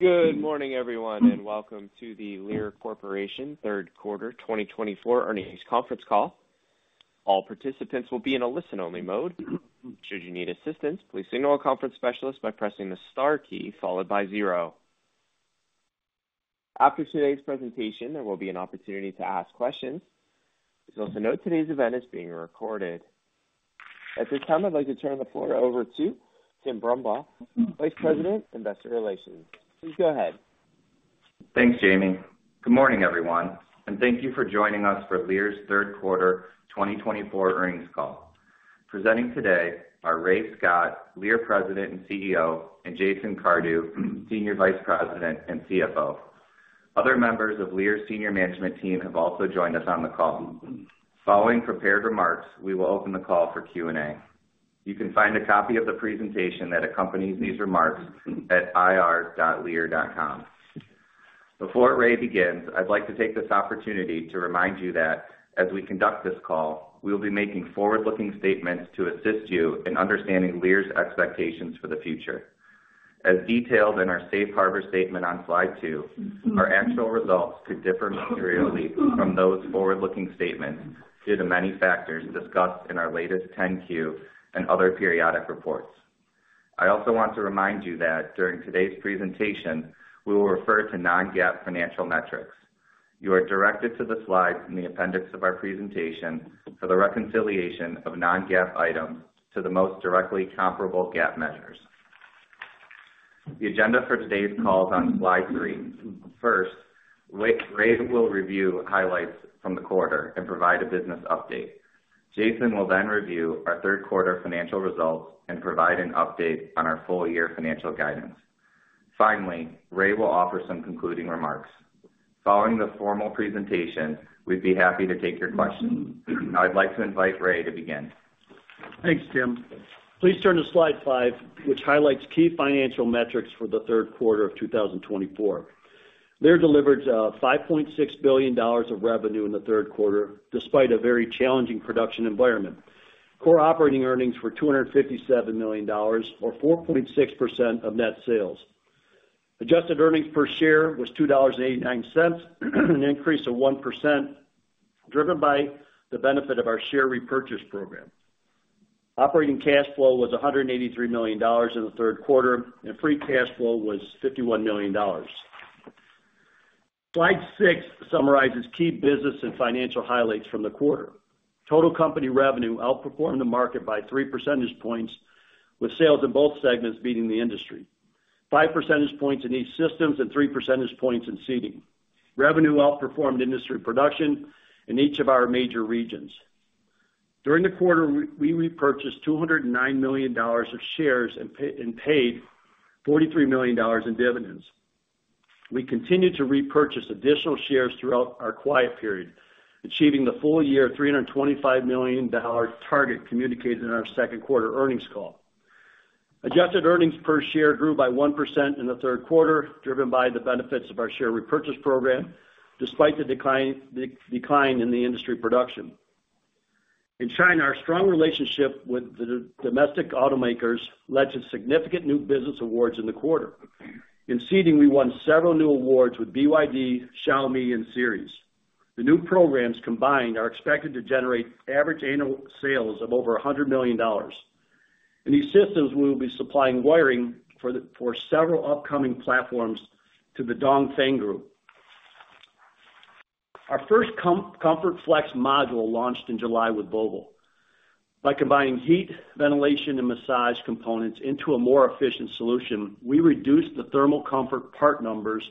Good morning, everyone, and welcome to the Lear Corporation Third Quarter twenty twenty-four Earnings Conference Call. All participants will be in a listen-only mode. Should you need assistance, please signal a conference specialist by pressing the star key followed by zero. After today's presentation, there will be an opportunity to ask questions. Please also note today's event is being recorded. At this time, I'd like to turn the floor over to Tim Brumbaugh, Vice President, Investor Relations. Please go ahead. Thanks, Jamie. Good morning, everyone, and thank you for joining us for Lear's Q3 twenty twenty-four earnings call. Presenting today are Ray Scott, Lear's President and CEO, and Jason Cardew, Senior Vice President and CFO. Other members of Lear's senior management team have also joined us on the call. Following prepared remarks, we will open the call for Q&A. You can find a copy of the presentation that accompanies these remarks at ir.lear.com. Before Ray begins, I'd like to take this opportunity to remind you that as we conduct this call, we'll be making forward-looking statements to assist you in understanding Lear's expectations for the future. As detailed in our safe harbor statement on slide two, our actual results could differ materially from those forward-looking statements due to many factors discussed in our latest 10-Q and other periodic reports. I also want to remind you that during today's presentation, we will refer to non-GAAP financial metrics. You are directed to the slides in the appendix of our presentation for the reconciliation of non-GAAP items to the most directly comparable GAAP measures. The agenda for today's call is on slide three. First, Ray will review highlights from the quarter and provide a business update. Jason will then review our Q3 financial results and provide an update on our full year financial guidance. Finally, Ray will offer some concluding remarks. Following the formal presentation, we'd be happy to take your questions. Now, I'd like to invite Ray to begin. Thanks, Tim. Please turn to slide five, which highlights key financial metrics for the Q3 of two thousand and twenty-four. Lear delivered $5.6 billion of revenue in the Q3, despite a very challenging production environment. Core operating earnings were $257 million, or 4.6% of net sales. Adjusted earnings per share was $2.89, an increase of 1%, driven by the benefit of our share repurchase program. Operating cash flow was $183 million in the Q3, and free cash flow was $51 million. Slide six summarizes key business and financial highlights from the quarter. Total company revenue outperformed the market by three percentage points, with sales in both segments beating the industry. Five percentage points in E-Systems and three percentage points in Seating. Revenue outperformed industry production in each of our major regions. During the quarter, we repurchased $209 million of shares and paid $43 million in dividends. We continued to repurchase additional shares throughout our quiet period, achieving the full year $325 million target communicated in our Q2 earnings call. Adjusted earnings per share grew by 1% in the Q3, driven by the benefits of our share repurchase program, despite the decline in the industry production. In China, our strong relationship with the domestic automakers led to significant new business awards in the quarter. In seating, we won several new awards with BYD, Xiaomi, and Seres. The new programs combined are expected to generate average annual sales of over $100 million. In these systems, we will be supplying wiring for several upcoming platforms to the Dongfeng Group. Our first ComfortFlex module launched in July with GM. By combining heat, ventilation, and massage components into a more efficient solution, we reduced the thermal comfort part numbers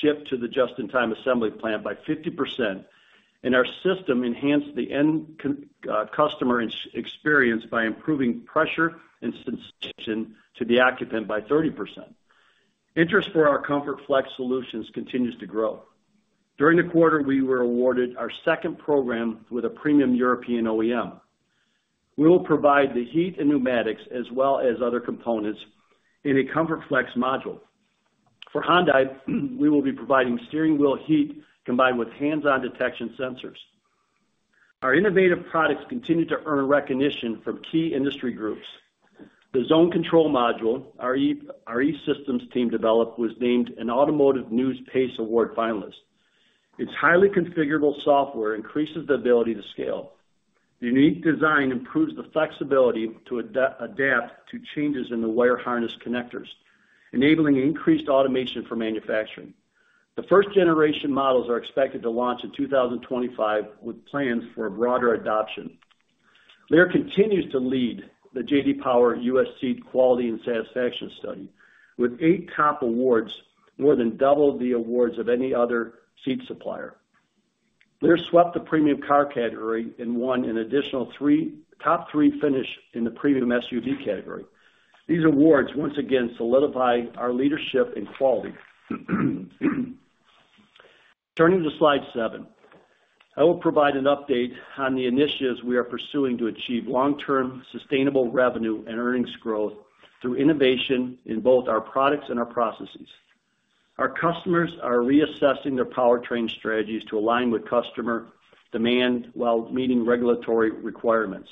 shipped to the just-in-time assembly plant by 50%, and our system enhanced the end consumer experience by improving pressure and sensation to the occupant by 30%. Interest for our ComfortFlex solutions continues to grow. During the quarter, we were awarded our second program with a premium European OEM. We will provide the heat and pneumatics as well as other components in a ComfortFlex module. For Hyundai, we will be providing steering wheel heat combined with hands-on detection sensors. Our innovative products continue to earn recognition from key industry groups. The Zone Control Module, our E-Systems team developed, was named an Automotive News PACE Award finalist. Its highly configurable software increases the ability to scale. The unique design improves the flexibility to adapt to changes in the wire harness connectors, enabling increased automation for manufacturing. The first-generation models are expected to launch in two thousand and twenty-five, with plans for a broader adoption. Lear continues to lead the J.D. Power US Seat Quality and Satisfaction Study, with eight top awards, more than double the awards of any other seat supplier. Lear swept the premium car category and won an additional three top three finish in the premium SUV category. These awards once again solidify our leadership and quality. Turning to slide seven, I will provide an update on the initiatives we are pursuing to achieve long-term, sustainable revenue and earnings growth through innovation in both our products and our processes... Our customers are reassessing their powertrain strategies to align with customer demand while meeting regulatory requirements.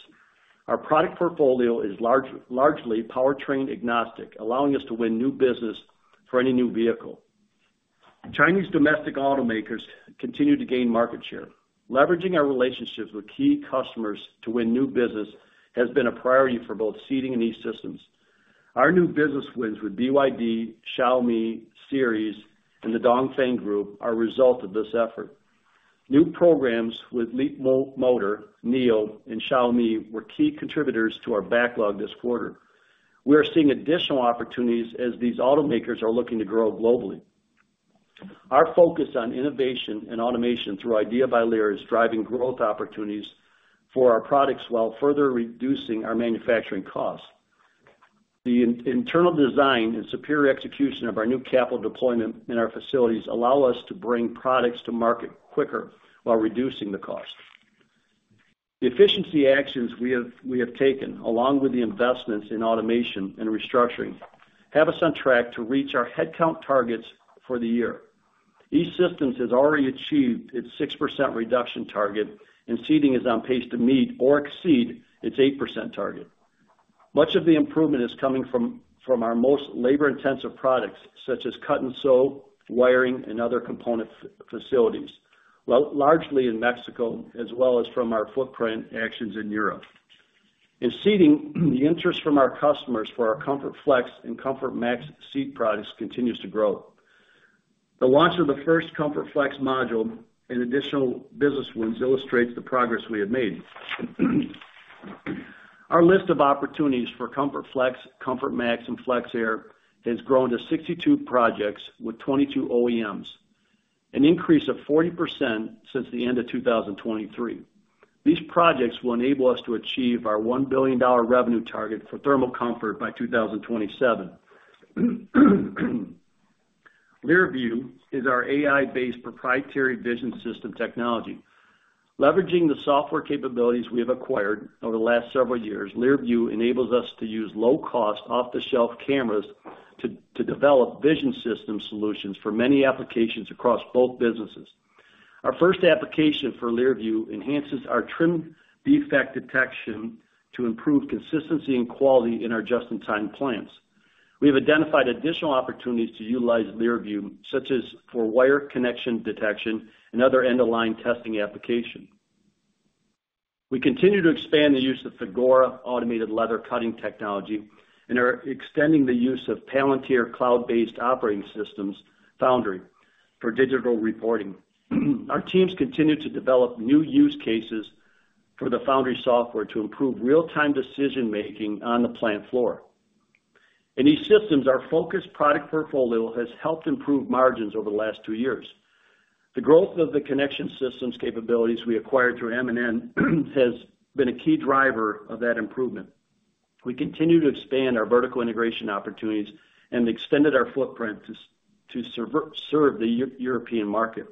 Our product portfolio is largely powertrain agnostic, allowing us to win new business for any new vehicle. Chinese domestic automakers continue to gain market share. Leveraging our relationships with key customers to win new business has been a priority for both Seating and E-Systems. Our new business wins with BYD, Xiaomi, Seres, and the Dongfeng Group are a result of this effort. New programs with Leapmotor, NIO, and Xiaomi were key contributors to our backlog this quarter. We are seeing additional opportunities as these automakers are looking to grow globally. Our focus on innovation and automation through IDEAL by Lear is driving growth opportunities for our products while further reducing our manufacturing costs. The internal design and superior execution of our new capital deployment in our facilities allow us to bring products to market quicker while reducing the cost. The efficiency actions we have taken, along with the investments in automation and restructuring, have us on track to reach our headcount targets for the year. E-Systems has already achieved its 6% reduction target, and Seating is on pace to meet or exceed its 8% target. Much of the improvement is coming from our most labor-intensive products, such as cut and sew, wiring, and other component facilities, well, largely in Mexico, as well as from our footprint actions in Europe. In Seating, the interest from our customers for our ComfortFlex and ComfortMax seat products continues to grow. The launch of the first ComfortFlex module and additional business wins illustrates the progress we have made. Our list of opportunities for ComfortFlex, ComfortMax, and FlexAir has grown to 62 projects with 22 OEMs, an increase of 40% since the end of 2023. These projects will enable us to achieve our $1 billion revenue target for thermal comfort by 2027. LearView is our AI-based proprietary vision system technology. Leveraging the software capabilities we have acquired over the last several years, LearView enables us to use low-cost, off-the-shelf cameras to develop vision system solutions for many applications across both businesses. Our first application for LearView enhances our trim defect detection to improve consistency and quality in our just-in-time plants. We have identified additional opportunities to utilize LearView, such as for wire connection detection and other end-of-line testing application. We continue to expand the use of the Thagora automated leather cutting technology and are extending the use of Palantir cloud-based operating systems Foundry for digital reporting. Our teams continue to develop new use cases for the Foundry software to improve real-time decision making on the plant floor. In E-Systems, our focused product portfolio has helped improve margins over the last two years. The growth of the connection systems capabilities we acquired through M&A has been a key driver of that improvement. We continue to expand our vertical integration opportunities and extended our footprint to serve the European market.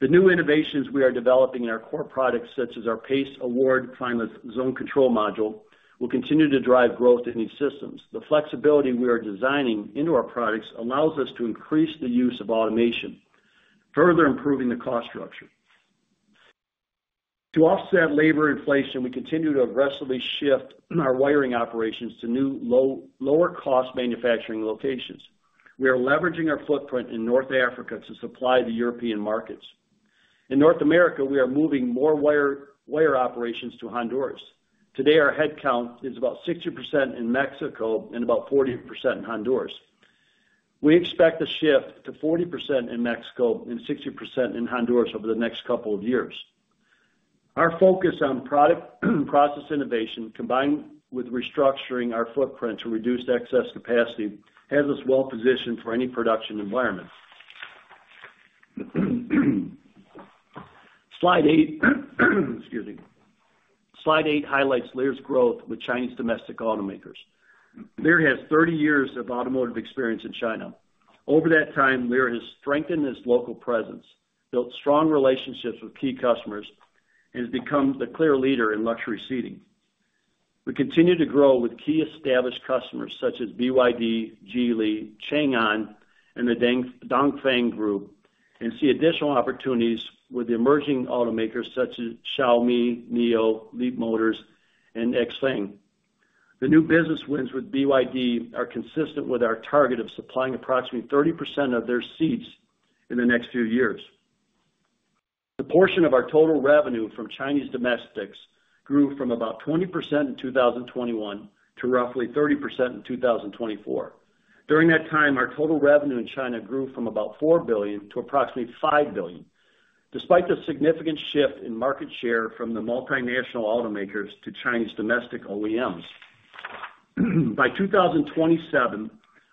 The new innovations we are developing in our core products, such as our Pace Award Climate Zone Control Module, will continue to drive growth in E-Systems. The flexibility we are designing into our products allows us to increase the use of automation, further improving the cost structure. To offset labor inflation, we continue to aggressively shift our wiring operations to new lower-cost manufacturing locations. We are leveraging our footprint in North Africa to supply the European markets. In North America, we are moving more wire operations to Honduras. Today, our headcount is about 60% in Mexico and about 40% in Honduras. We expect a shift to 40% in Mexico and 60% in Honduras over the next couple of years. Our focus on product process innovation, combined with restructuring our footprint to reduce excess capacity, has us well positioned for any production environment. Slide eight. Excuse me. Slide eight highlights Lear's growth with Chinese domestic automakers. Lear has thirty years of automotive experience in China. Over that time, Lear has strengthened its local presence, built strong relationships with key customers, and has become the clear leader in luxury seating. We continue to grow with key established customers such as BYD, Geely, Changan, and the Dongfeng Group, and see additional opportunities with the emerging automakers such as Xiaomi, NIO, Leapmotor, and XPeng. The new business wins with BYD are consistent with our target of supplying approximately 30% of their seats in the next few years. The portion of our total revenue from Chinese domestics grew from about 20% in two thousand and twenty-one to roughly 30% in two thousand and twenty-four. During that time, our total revenue in China grew from about $4 billion to approximately $5 billion, despite the significant shift in market share from the multinational automakers to Chinese domestic OEMs. By 2027,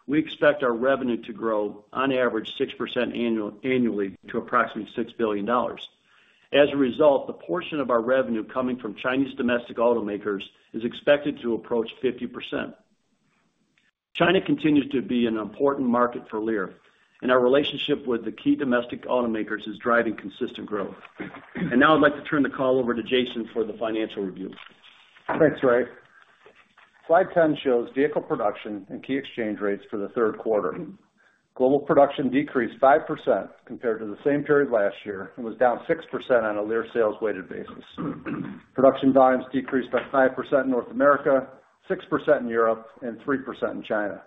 we expect our revenue to grow on average 6% annually to approximately $6 billion. As a result, the portion of our revenue coming from Chinese domestic automakers is expected to approach 50%. China continues to be an important market for Lear, and our relationship with the key domestic automakers is driving consistent growth. Now I'd like to turn the call over to Jason for the financial review. Thanks, Ray. Slide 10 shows vehicle production and key exchange rates for the Q3. Global production decreased 5% compared to the same period last year, and was down 6% on a Lear sales weighted basis. Production volumes decreased by 5% in North America, 6% in Europe, and 3% in China.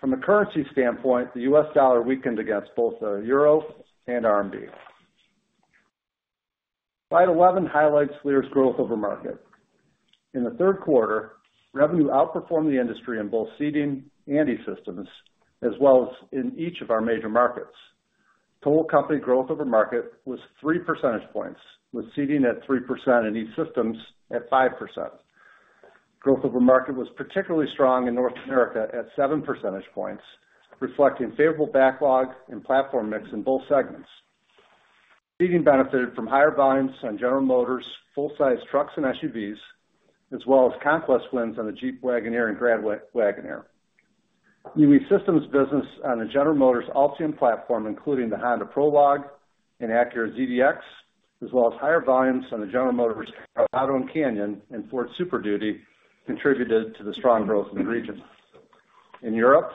From a currency standpoint, the U.S. dollar weakened against both the euro and RMB. Slide 11 highlights Lear's growth over market. In the Q3, revenue outperformed the industry in both Seating and E-Systems, as well as in each of our major markets. Total company growth over market was 3 percentage points, with Seating at 3% and E-Systems at 5%. Growth over market was particularly strong in North America at 7 percentage points, reflecting favorable backlog and platform mix in both segments. Seating benefited from higher volumes on General Motors full-size trucks and SUVs, as well as conquest wins on the Jeep Wagoneer and Grand Wagoneer. In the E-Systems business on the General Motors Ultium platform, including the Honda Prologue and Acura ZDX, as well as higher volumes on the General Motors Colorado Canyon and Ford Super Duty, contributed to the strong growth in the region. In Europe,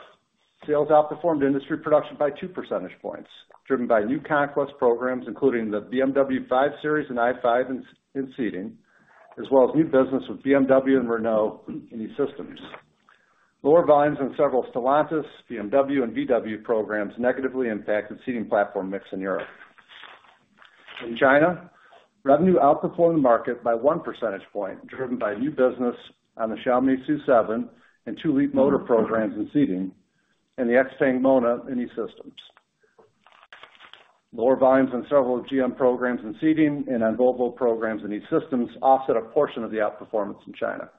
sales outperformed industry production by two percentage points, driven by new conquest programs, including the BMW 5 Series and i5 in seating, as well as new business with BMW and Renault in E-Systems. Lower volumes in several Stellantis, BMW, and VW programs negatively impacted seating platform mix in Europe. In China, revenue outperformed the market by one percentage point, driven by new business on the Xiaomi SU7 and two Leapmotor programs in seating and the XPeng Mona in E-Systems. Lower volumes on several GM programs in Seating and on Volvo programs in E-Systems offset a portion of the outperformance in China.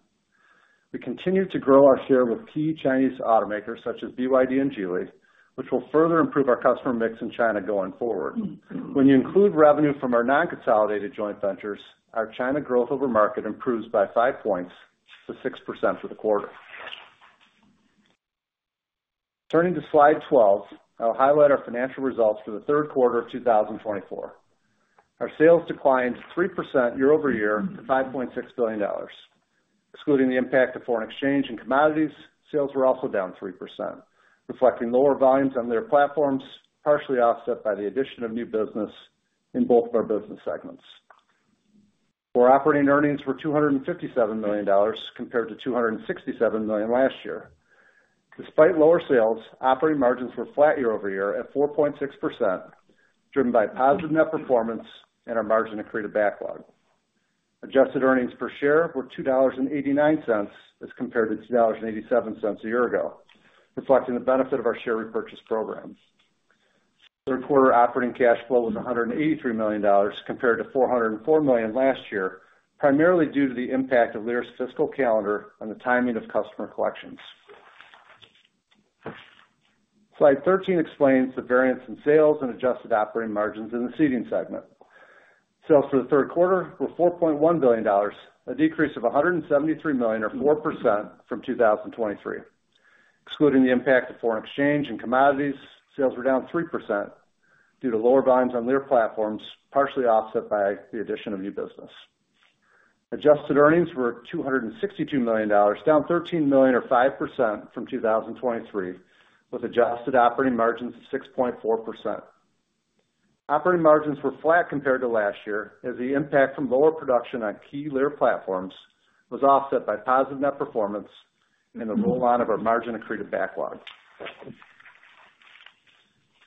We continued to grow our share with key Chinese automakers such as BYD and Geely, which will further improve our customer mix in China going forward. When you include revenue from our non-consolidated joint ventures, our China growth over market improves by five points to 6% for the quarter. Turning to Slide 12, I'll highlight our financial results for the Q3 of 2024. Our sales declined 3% year over year to $5.6 billion. Excluding the impact of foreign exchange and commodities, sales were also down 3%, reflecting lower volumes on their platforms, partially offset by the addition of new business in both of our business segments. Our operating earnings were $257 million, compared to $267 million last year. Despite lower sales, operating margins were flat year over year at 4.6%, driven by positive net performance and our margin accretive backlog. Adjusted earnings per share were $2.89, as compared to $2.87 a year ago, reflecting the benefit of our share repurchase program. Third quarter operating cash flow was $183 million, compared to $404 million last year, primarily due to the impact of Lear's fiscal calendar on the timing of customer collections. Slide 13 explains the variance in sales and adjusted operating margins in the seating segment. Sales for the Q3 were $4.1 billion, a decrease of $173 million or 4% from 2023. Excluding the impact of foreign exchange and commodities, sales were down 3% due to lower volumes on Lear platforms, partially offset by the addition of new business. Adjusted earnings were $262 million, down $13 million or 5% from 2023, with adjusted operating margins of 6.4%. Operating margins were flat compared to last year, as the impact from lower production on key Lear platforms was offset by positive net performance and the rollout of our margin accretive backlog.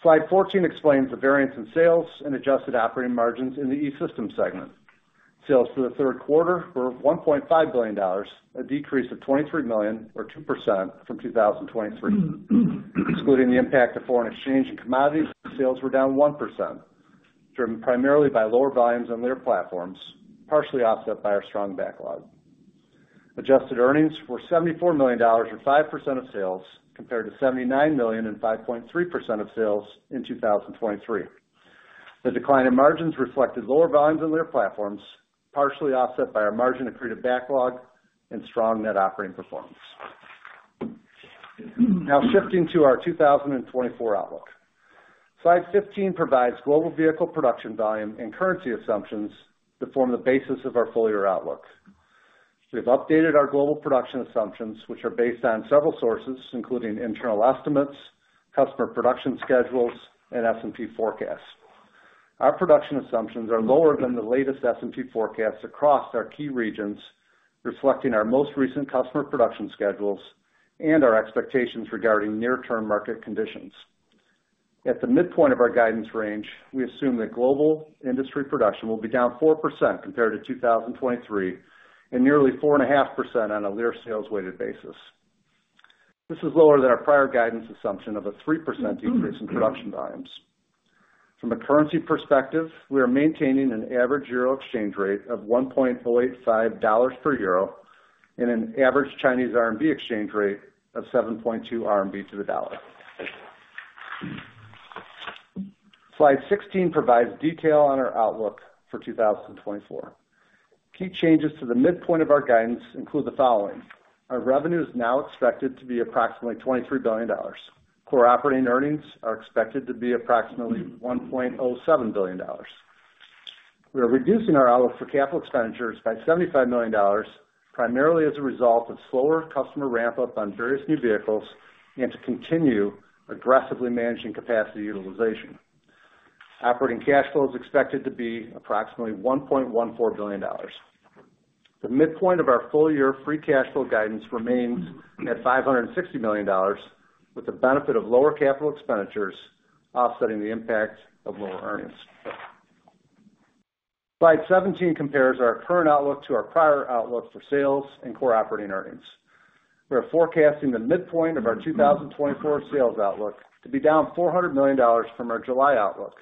Slide 14 explains the variance in sales and adjusted operating margins in the E-Systems segment. Sales for the Q3 were $1.5 billion, a decrease of $23 million or 2% from 2023. Excluding the impact of foreign exchange and commodities, sales were down 1%, driven primarily by lower volumes on Lear platforms, partially offset by our strong backlog. Adjusted earnings were $74 million or 5% of sales, compared to $79 million and 5.3% of sales in 2023. The decline in margins reflected lower volumes in Lear platforms, partially offset by our margin accretive backlog and strong net operating performance. Now shifting to our 2024 outlook. Slide 15 provides global vehicle production volume and currency assumptions that form the basis of our full-year outlook. We've updated our global production assumptions, which are based on several sources, including internal estimates, customer production schedules, and S&P forecasts. Our production assumptions are lower than the latest S&P forecasts across our key regions, reflecting our most recent customer production schedules and our expectations regarding near-term market conditions. At the midpoint of our guidance range, we assume that global industry production will be down 4% compared to 2023, and nearly 4.5% on a Lear sales-weighted basis. This is lower than our prior guidance assumption of a 3% decrease in production volumes. From a currency perspective, we are maintaining an average euro exchange rate of $1.85 per euro and an average Chinese RMB exchange rate of 7.2 RMB to the dollar. Slide 16 provides detail on our outlook for 2024. Key changes to the midpoint of our guidance include the following: Our revenue is now expected to be approximately $23 billion. Core operating earnings are expected to be approximately $1.07 billion. We are reducing our outlook for capital expenditures by $75 million, primarily as a result of slower customer ramp-up on various new vehicles and to continue aggressively managing capacity utilization. Operating cash flow is expected to be approximately $1.14 billion. The midpoint of our full-year free cash flow guidance remains at $560 million, with the benefit of lower capital expenditures offsetting the impact of lower earnings. Slide 17 compares our current outlook to our prior outlook for sales and core operating earnings. We are forecasting the midpoint of our 2024 sales outlook to be down $400 million from our July outlook,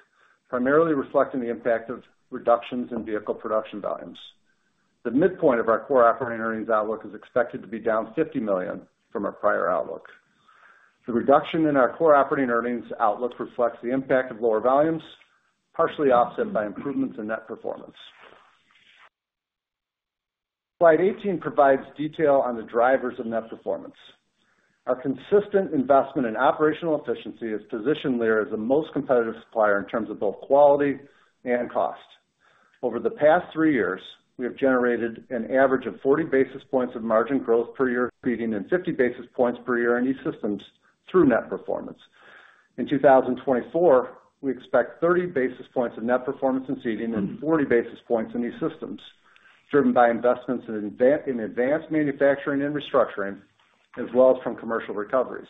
primarily reflecting the impact of reductions in vehicle production volumes. The midpoint of our core operating earnings outlook is expected to be down $50 million from our prior outlook. The reduction in our core operating earnings outlook reflects the impact of lower volumes, partially offset by improvements in net performance. Slide 18 provides detail on the drivers of net performance. Our consistent investment in operational efficiency has positioned Lear as the most competitive supplier in terms of both quality and cost. Over the past three years, we have generated an average of 40 basis points of margin growth per year, exceeding 50 basis points per year in E-Systems through net performance. In 2024, we expect 30 basis points of net performance in seating and 40 basis points in E-Systems, driven by investments in advanced manufacturing and restructuring, as well as from commercial recoveries.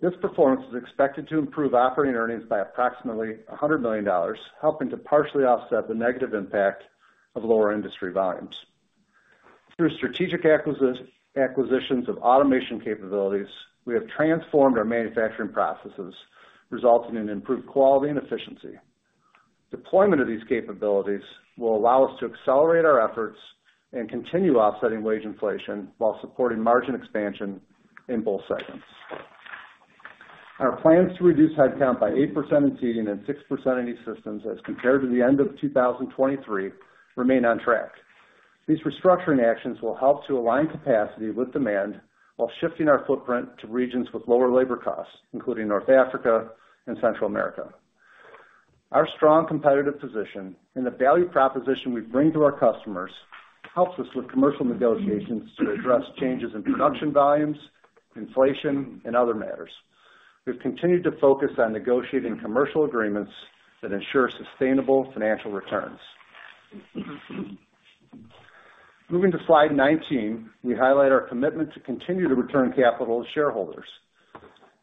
This performance is expected to improve operating earnings by approximately $100 million, helping to partially offset the negative impact of lower industry volumes. Through strategic acquisitions of automation capabilities, we have transformed our manufacturing processes, resulting in improved quality and efficiency. Deployment of these capabilities will allow us to accelerate our efforts and continue offsetting wage inflation while supporting margin expansion in both segments. Our plans to reduce headcount by 8% in Seating and 6% in E-Systems as compared to the end of 2023 remain on track. These restructuring actions will help to align capacity with demand while shifting our footprint to regions with lower labor costs, including North Africa and Central America. Our strong competitive position and the value proposition we bring to our customers helps us with commercial negotiations to address changes in production volumes, inflation, and other matters. We've continued to focus on negotiating commercial agreements that ensure sustainable financial returns. Moving to slide 19, we highlight our commitment to continue to return capital to shareholders.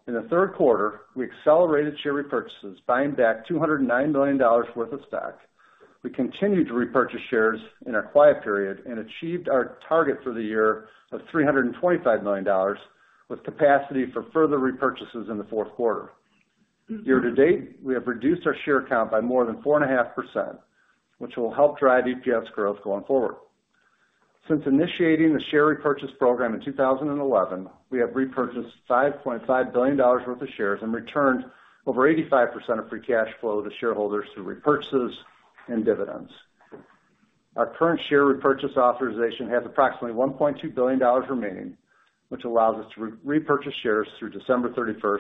In the Q3, we accelerated share repurchases, buying back $209 million worth of stock. We continued to repurchase shares in our quiet period and achieved our target for the year of $325 million, with capacity for further repurchases in the Q4. Year to date, we have reduced our share count by more than 4.5%, which will help drive EPS growth going forward. Since initiating the share repurchase program in 2011, we have repurchased $5.5 billion worth of shares and returned over 85% of free cash flow to shareholders through repurchases and dividends. Our current share repurchase authorization has approximately $1.2 billion remaining, which allows us to repurchase shares through December 31st,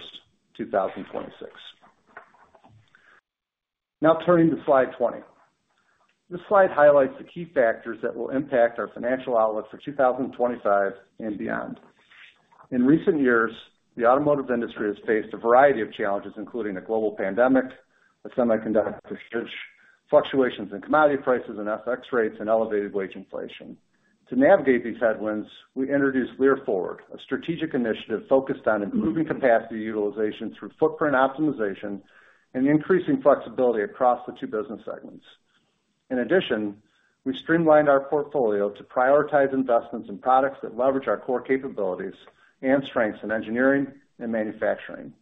2026. Now, turning to slide 20. This slide highlights the key factors that will impact our financial outlook for 2025 and beyond. In recent years, the automotive industry has faced a variety of challenges, including a global pandemic, a semiconductor shortage, fluctuations in commodity prices and FX rates, and elevated wage inflation. To navigate these headwinds, we introduced Lear Forward, a strategic initiative focused on improving capacity utilization through footprint optimization and increasing flexibility across the two business segments. In addition, we streamlined our portfolio to prioritize investments in products that leverage our core capabilities and strengths in engineering and manufacturing.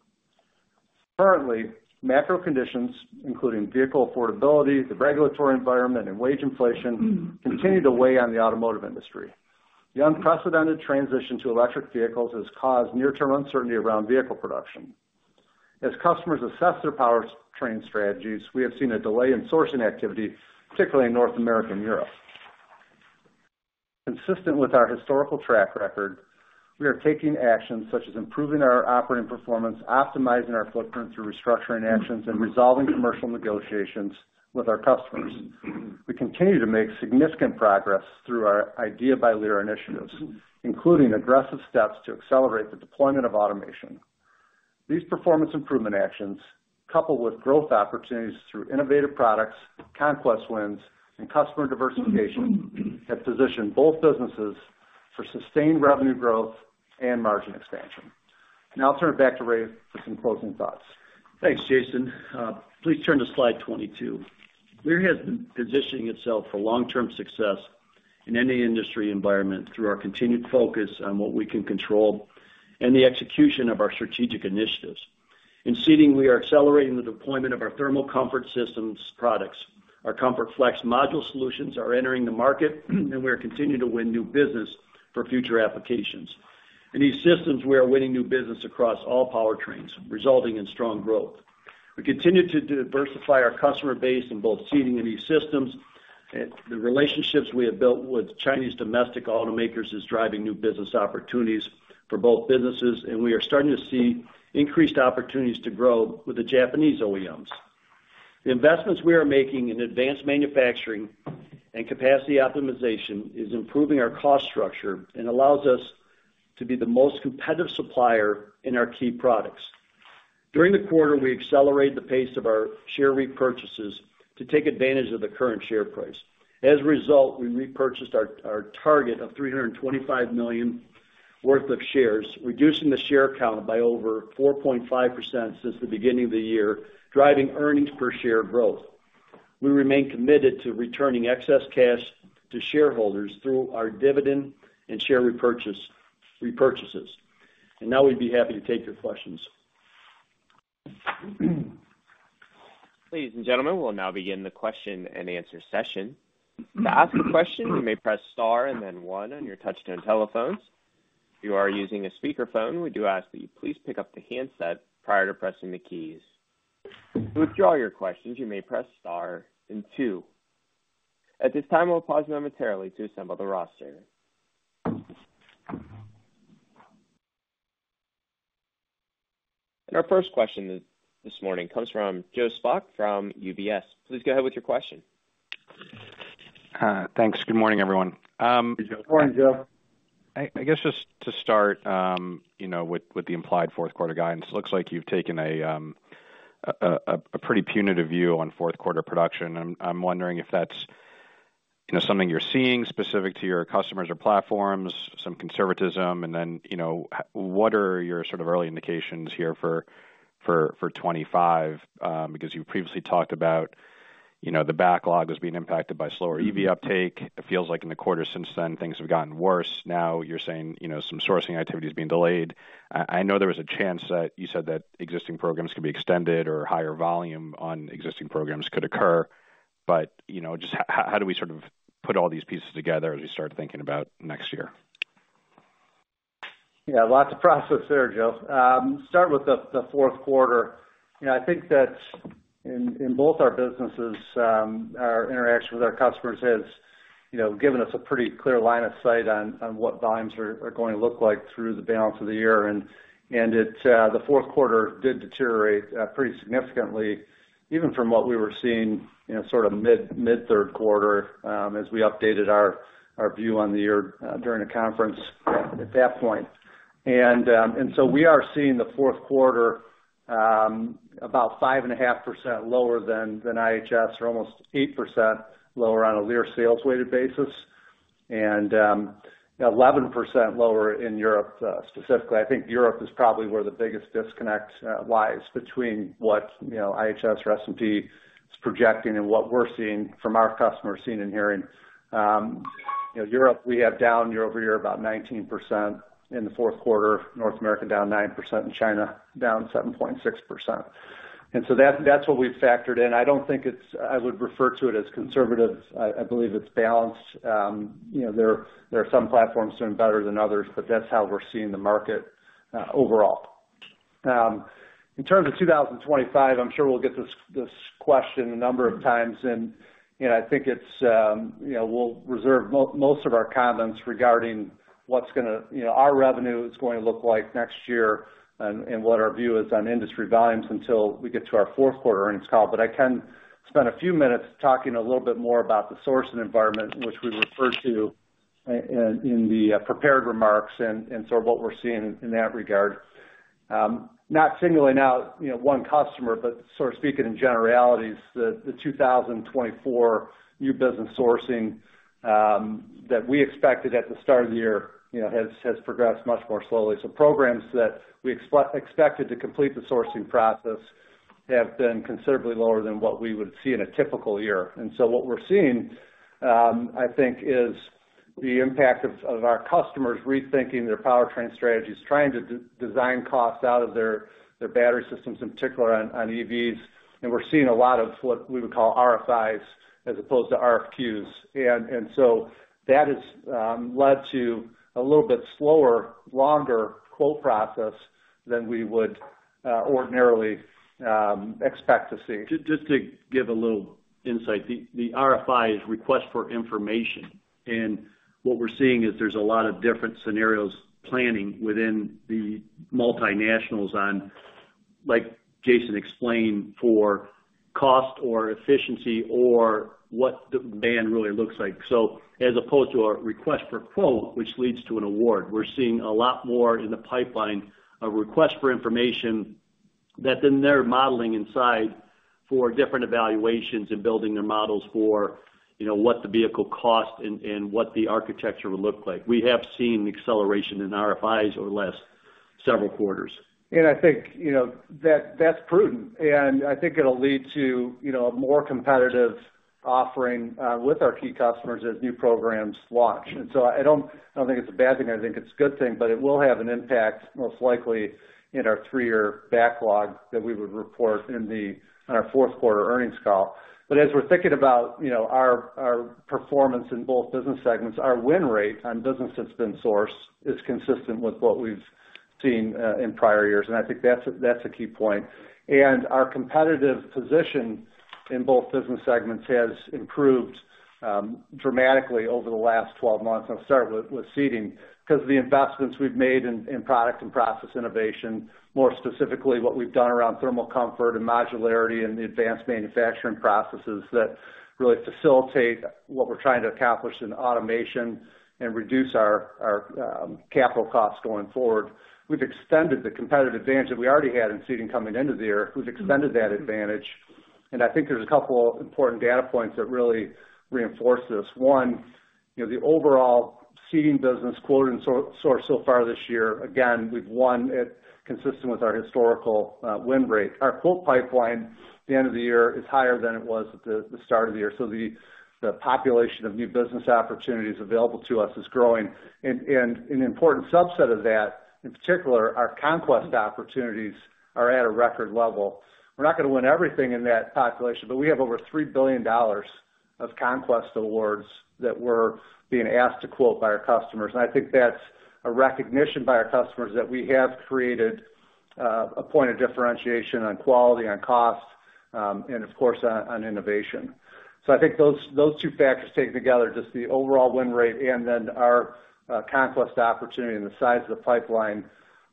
Currently, macro conditions, including vehicle affordability, the regulatory environment, and wage inflation, continue to weigh on the automotive industry. The unprecedented transition to electric vehicles has caused near-term uncertainty around vehicle production. As customers assess their powertrain strategies, we have seen a delay in sourcing activity, particularly in North America and Europe. Consistent with our historical track record, we are taking actions such as improving our operating performance, optimizing our footprint through restructuring actions, and resolving commercial negotiations with our customers. We continue to make significant progress through our Idea by Lear initiatives, including aggressive steps to accelerate the deployment of automation. These performance improvement actions, coupled with growth opportunities through innovative products, conquest wins, and customer diversification, have positioned both businesses for sustained revenue growth and margin expansion. Now I'll turn it back to Ray for some closing thoughts. Thanks, Jason. Please turn to slide twenty-two. Lear has been positioning itself for long-term success in any industry environment through our continued focus on what we can control and the execution of our strategic initiatives. In seating, we are accelerating the deployment of our thermal comfort systems products. Our ComfortFlex module solutions are entering the market, and we are continuing to win new business for future applications. In E-Systems, we are winning new business across all powertrains, resulting in strong growth. We continue to diversify our customer base in both Seating and E-Systems-... The relationships we have built with Chinese domestic automakers is driving new business opportunities for both businesses, and we are starting to see increased opportunities to grow with the Japanese OEMs. The investments we are making in advanced manufacturing and capacity optimization is improving our cost structure and allows us to be the most competitive supplier in our key products. During the quarter, we accelerated the pace of our share repurchases to take advantage of the current share price. As a result, we repurchased our target of $325 million worth of shares, reducing the share count by over 4.5% since the beginning of the year, driving earnings per share growth. We remain committed to returning excess cash to shareholders through our dividend and share repurchases. And now we'd be happy to take your questions. Ladies and gentlemen, we'll now begin the question-and-answer session. To ask a question, you may press star and then one on your touch-tone telephones. If you are using a speakerphone, we do ask that you please pick up the handset prior to pressing the keys. To withdraw your questions, you may press star and two. At this time, we'll pause momentarily to assemble the roster, and our first question this morning comes from Joe Spak from UBS. Please go ahead with your question. Thanks. Good morning, everyone. Good morning, Joe. I guess just to start, you know, with the implied Q4 guidance, looks like you've taken a pretty punitive view on Q4 production. I'm wondering if that's, you know, something you're seeing specific to your customers or platforms, some conservatism, and then, you know, what are your sort of early indications here for 2025? Because you previously talked about, you know, the backlog as being impacted by slower EV uptake. It feels like in the quarter since then, things have gotten worse. Now, you're saying, you know, some sourcing activity is being delayed. I know there was a chance that you said that existing programs could be extended or higher volume on existing programs could occur, but you know, just how do we sort of put all these pieces together as we start thinking about next year? Yeah, lots of process there, Joe. Start with the Q4. You know, I think that in both our businesses, our interaction with our customers has, you know, given us a pretty clear line of sight on what volumes are going to look like through the balance of the year. And it, the Q4 did deteriorate pretty significantly, even from what we were seeing, you know, sort of mid-Q3, as we updated our view on the year during the conference at that point. And so we are seeing the Q4 about 5.5% lower than IHS, or almost 8% lower on a Lear sales-weighted basis, and 11% lower in Europe. Specifically, I think Europe is probably where the biggest disconnect lies between what, you know, IHS or S&P is projecting and what we're seeing from our customers, seeing and hearing. You know, Europe, we have down year over year, about 19% in the Q4, North America, down 9%, and China, down 7.6%. So that's what we've factored in. I don't think it's... I would refer to it as conservative. I believe it's balanced. You know, there are some platforms doing better than others, but that's how we're seeing the market, overall. In terms of 2025, I'm sure we'll get this question a number of times, and, you know, I think it's, you know, we'll reserve most of our comments regarding what's gonna, you know, our revenue is going to look like next year and, and what our view is on industry volumes until we get to our Q4 earnings call. But I can spend a few minutes talking a little bit more about the sourcing environment, which we referred to in the prepared remarks and so what we're seeing in that regard. Not singling out, you know, one customer, but sort of speaking in generalities, the 2024 new business sourcing that we expected at the start of the year, you know, has progressed much more slowly. So programs that we expected to complete the sourcing process have been considerably lower than what we would see in a typical year. And so what we're seeing, I think, is the impact of our customers rethinking their powertrain strategies, trying to design costs out of their battery systems, in particular on EVs. And we're seeing a lot of what we would call RFIs as opposed to RFQs. And so that has led to a little bit slower, longer quote process than we would ordinarily expect to see. Just to give a little insight. The RFI is request for information, and what we're seeing is there's a lot of different scenarios planning within the multinationals on, like Jason explained, for cost or efficiency or what the ban really looks like. So as opposed to a request for quote, which leads to an award, we're seeing a lot more in the pipeline, a request for information that then they're modeling inside for different evaluations and building their models for, you know, what the vehicle cost and what the architecture would look like. We have seen an acceleration in RFIs over the last several quarters. I think, you know, that's prudent, and I think it'll lead to, you know, a more competitive offering with our key customers as new programs launch. So I don't think it's a bad thing. I think it's a good thing, but it will have an impact, most likely, in our three-year backlog that we would report on our Q4 earnings call. As we're thinking about, you know, our performance in both business segments, our win rate on business that's been sourced is consistent with what we've seen in prior years, and I think that's a key point. Our competitive position in both business segments has improved dramatically over the last twelve months. I'll start with Seating. Because the investments we've made in product and process innovation, more specifically, what we've done around thermal comfort and modularity and the advanced manufacturing processes that really facilitate what we're trying to accomplish in automation and reduce our capital costs going forward. We've extended the competitive advantage that we already had in seating coming into the year. We've extended that advantage, and I think there's a couple important data points that really reinforce this. One, you know, the overall seating business quote and sourced so far this year, again, we've won it, consistent with our historical win rate. Our quote pipeline at the end of the year is higher than it was at the start of the year, so the population of new business opportunities available to us is growing. And an important subset of that, in particular, our conquest opportunities are at a record level. We're not gonna win everything in that population, but we have over $3 billion of conquest awards that we're being asked to quote by our customers. And I think that's a recognition by our customers that we have created a point of differentiation on quality, on cost, and of course, on innovation. So I think those two factors taken together, just the overall win rate and then our conquest opportunity and the size of the pipeline,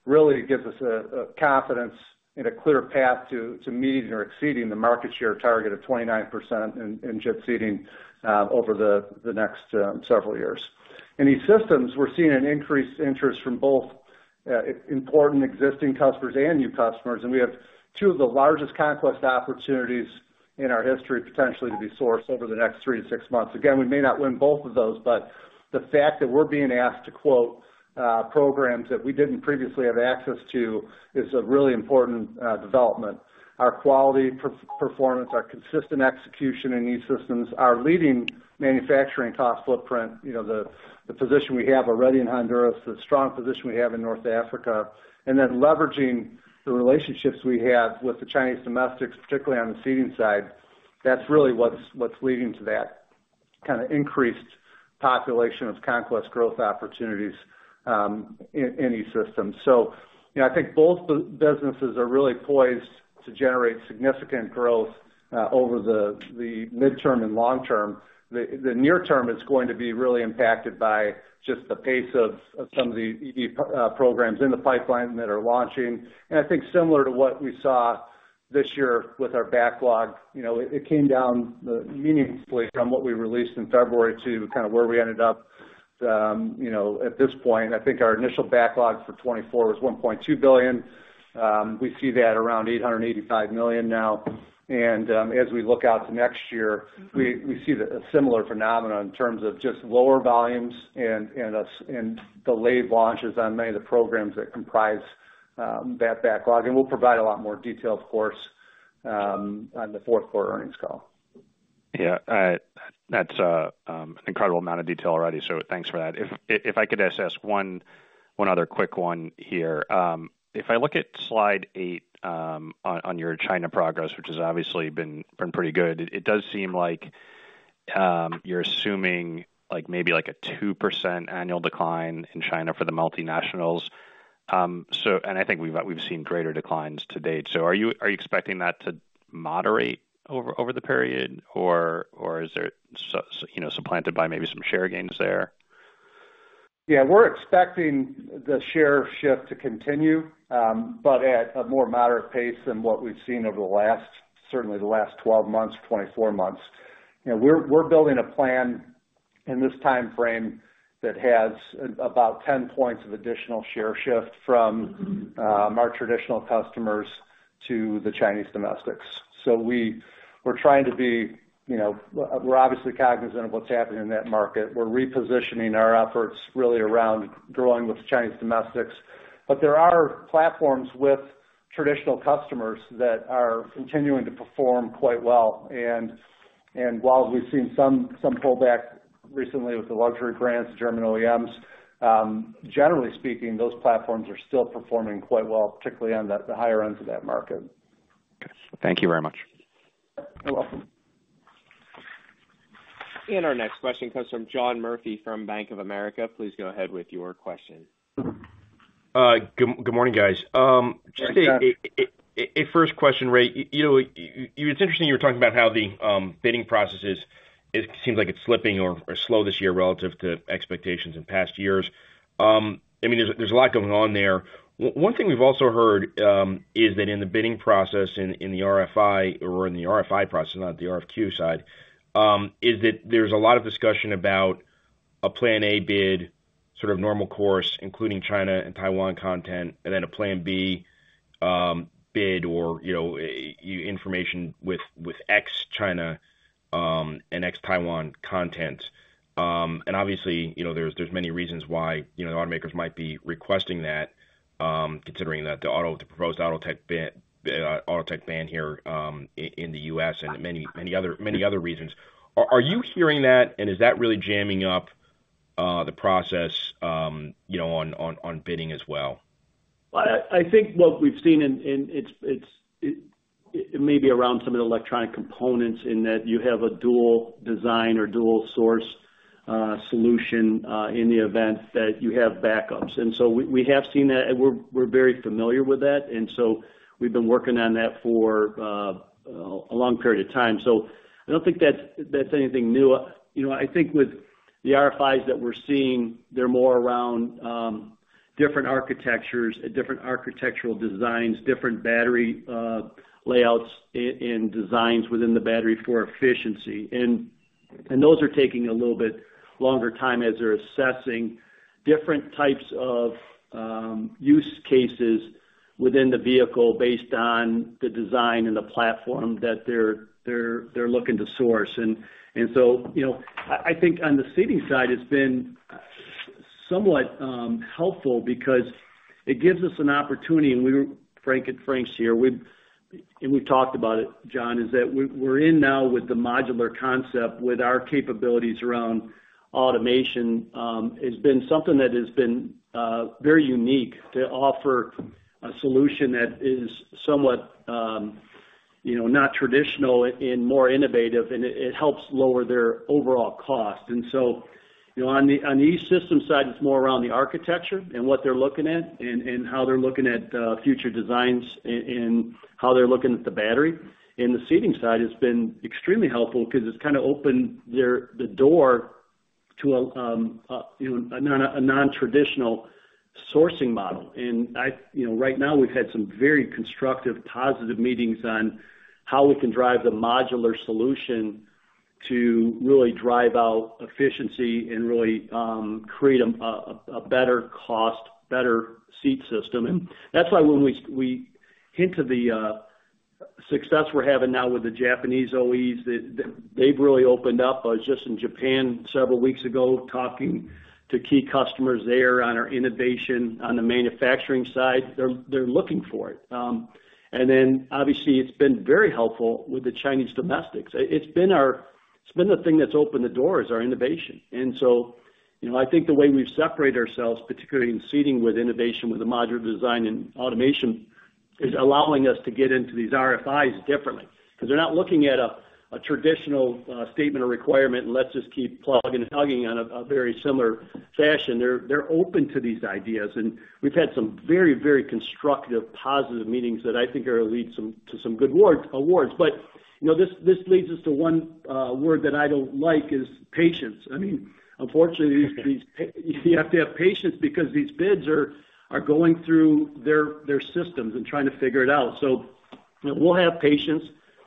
really gives us a confidence and a clear path to meeting or exceeding the market share target of 29% in JIT seating over the next several years. In E-Systems, we're seeing an increased interest from both important existing customers and new customers, and we have two of the largest conquest opportunities in our history, potentially, to be sourced over the next three to six months. Again, we may not win both of those, but the fact that we're being asked to quote programs that we didn't previously have access to is a really important development. Our quality performance, our consistent execution in E-Systems, our leading manufacturing cost footprint, you know, the position we have already in Honduras, the strong position we have in North Africa, and then leveraging the relationships we have with the Chinese domestics, particularly on the seating side, that's really what's leading to that kind of increased population of conquest growth opportunities in E-Systems. You know, I think both businesses are really poised to generate significant growth over the midterm and long term. The near term is going to be really impacted by just the pace of some of the EV programs in the pipeline that are launching. I think similar to what we saw this year with our backlog, you know, it came down meaningfully from what we released in February to kind of where we ended up, you know, at this point. I think our initial backlog for 2024 was $1.2 billion. We see that around $885 million now. As we look out to next year, we see a similar phenomenon in terms of just lower volumes and delayed launches on many of the programs that comprise that backlog. We'll provide a lot more detail, of course, on the Q4 earnings call. Yeah. That's an incredible amount of detail already, so thanks for that. If I could just ask one other quick one here. If I look at slide eight, on your China progress, which has obviously been pretty good, it does seem like you're assuming, like, maybe like a 2% annual decline in China for the multinationals, and I think we've seen greater declines to date. So are you expecting that to moderate over the period, or is there you know, supplanted by maybe some share gains there? Yeah, we're expecting the share shift to continue, but at a more moderate pace than what we've seen over the last, certainly the last 12 months, 24 months. You know, we're building a plan in this timeframe that has about 10 points of additional share shift from our traditional customers to the Chinese domestics. So we're trying to be, you know. We're obviously cognizant of what's happening in that market. We're repositioning our efforts really around growing with Chinese domestics. But there are platforms with traditional customers that are continuing to perform quite well. And while we've seen some pullback recently with the luxury brands, German OEMs, generally speaking, those platforms are still performing quite well, particularly on the higher ends of that market. Thank you very much. You're welcome. Our next question comes from John Murphy from Bank of America. Please go ahead with your question. Good morning, guys. Good morning, John. Our first question, Ray. You know, it's interesting, you were talking about how the bidding processes, it seems like it's slipping or slow this year relative to expectations in past years. I mean, there's a lot going on there. One thing we've also heard is that in the bidding process, in the RFI or in the RFI process, not the RFQ side, is that there's a lot of discussion about a plan A bid, sort of normal course, including China and Taiwan content, and then a plan B bid or, you know, information with ex-China and ex-Taiwan content. Obviously, you know, there's many reasons why, you know, the automakers might be requesting that, considering that the proposed auto tech ban here in the U.S. and many other reasons. Are you hearing that, and is that really jamming up the process, you know, on bidding as well? I think what we've seen in it may be around some of the electronic components, in that you have a dual design or dual source. ... solution in the event that you have backups, and so we have seen that, and we're very familiar with that, and so we've been working on that for a long period of time, so I don't think that's anything new. You know, I think with the RFIs that we're seeing, they're more around different architectures, different architectural designs, different battery layouts in designs within the battery for efficiency, and those are taking a little bit longer time as they're assessing different types of use cases within the vehicle based on the design and the platform that they're looking to source, and so you know I think on the seating side, it's been somewhat helpful because it gives us an opportunity, and Frank, and Frank's here. And we've talked about it, John, is that we're now in with the modular concept, with our capabilities around automation. It's been something that has been very unique to offer a solution that is somewhat, you know, not traditional and more innovative, and it helps lower their overall cost. And so, you know, on the E-Systems side, it's more around the architecture and what they're looking at and how they're looking at future designs and how they're looking at the battery. In the Seating side, it's been extremely helpful because it's kind of opened the door to a nontraditional sourcing model. And you know, right now, we've had some very constructive, positive meetings on how we can drive the modular solution to really drive out efficiency and really create a better cost, better seat system. And that's why when we hint to the success we're having now with the Japanese OEs, they they've really opened up. I was just in Japan several weeks ago, talking to key customers there on our innovation on the manufacturing side. They're they're looking for it. And then, obviously, it's been very helpful with the Chinese domestics. It's been the thing that's opened the doors, our innovation. And so, you know, I think the way we've separated ourselves, particularly in seating with innovation, with the modular design and automation, is allowing us to get into these RFIs differently. Because they're not looking at a traditional statement of requirement, and let's just keep plugging and hugging on a very similar fashion. They're open to these ideas, and we've had some very, very constructive, positive meetings that I think are going to lead to some good awards. But, you know, this leads us to one word that I don't like is patience. I mean, unfortunately, these you have to have patience because these bids are going through their systems and trying to figure it out. So, you know, we'll have patience.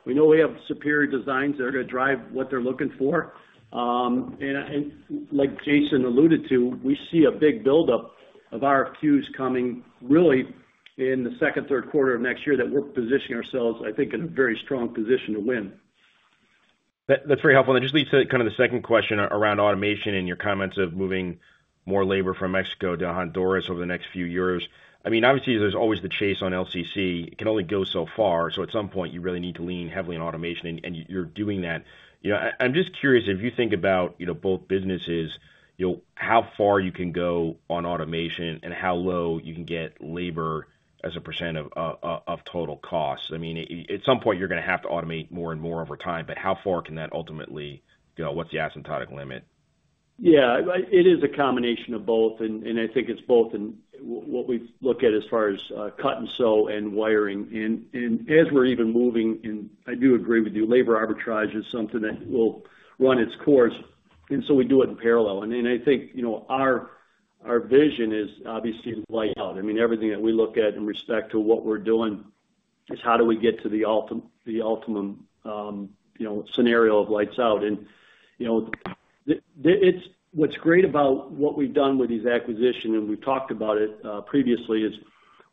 We know we have superior designs that are going to drive what they're looking for. Like Jason alluded to, we see a big buildup of RFQs coming really in the second, Q3 of next year that we're positioning ourselves, I think, in a very strong position to win. That, that's very helpful. That just leads to kind of the second question around automation and your comments of moving more labor from Mexico to Honduras over the next few years. I mean, obviously, there's always the chase on LCC. It can only go so far, so at some point, you really need to lean heavily on automation, and you're doing that. You know, I'm just curious if you think about, you know, both businesses, you know, how far you can go on automation and how low you can get labor as a percent of total costs. I mean, at some point, you're going to have to automate more and more over time, but how far can that ultimately, you know, what's the asymptotic limit? Yeah, it is a combination of both, and I think it's both in what we look at as far as cut and sew and wiring. And as we're even moving, and I do agree with you, labor arbitrage is something that will run its course, and so we do it in parallel. And then I think, you know, our vision is obviously lights out. I mean, everything that we look at in respect to what we're doing is how do we get to the ultimate, you know, scenario of lights out? And, you know, it's what's great about what we've done with these acquisition, and we've talked about it previously, is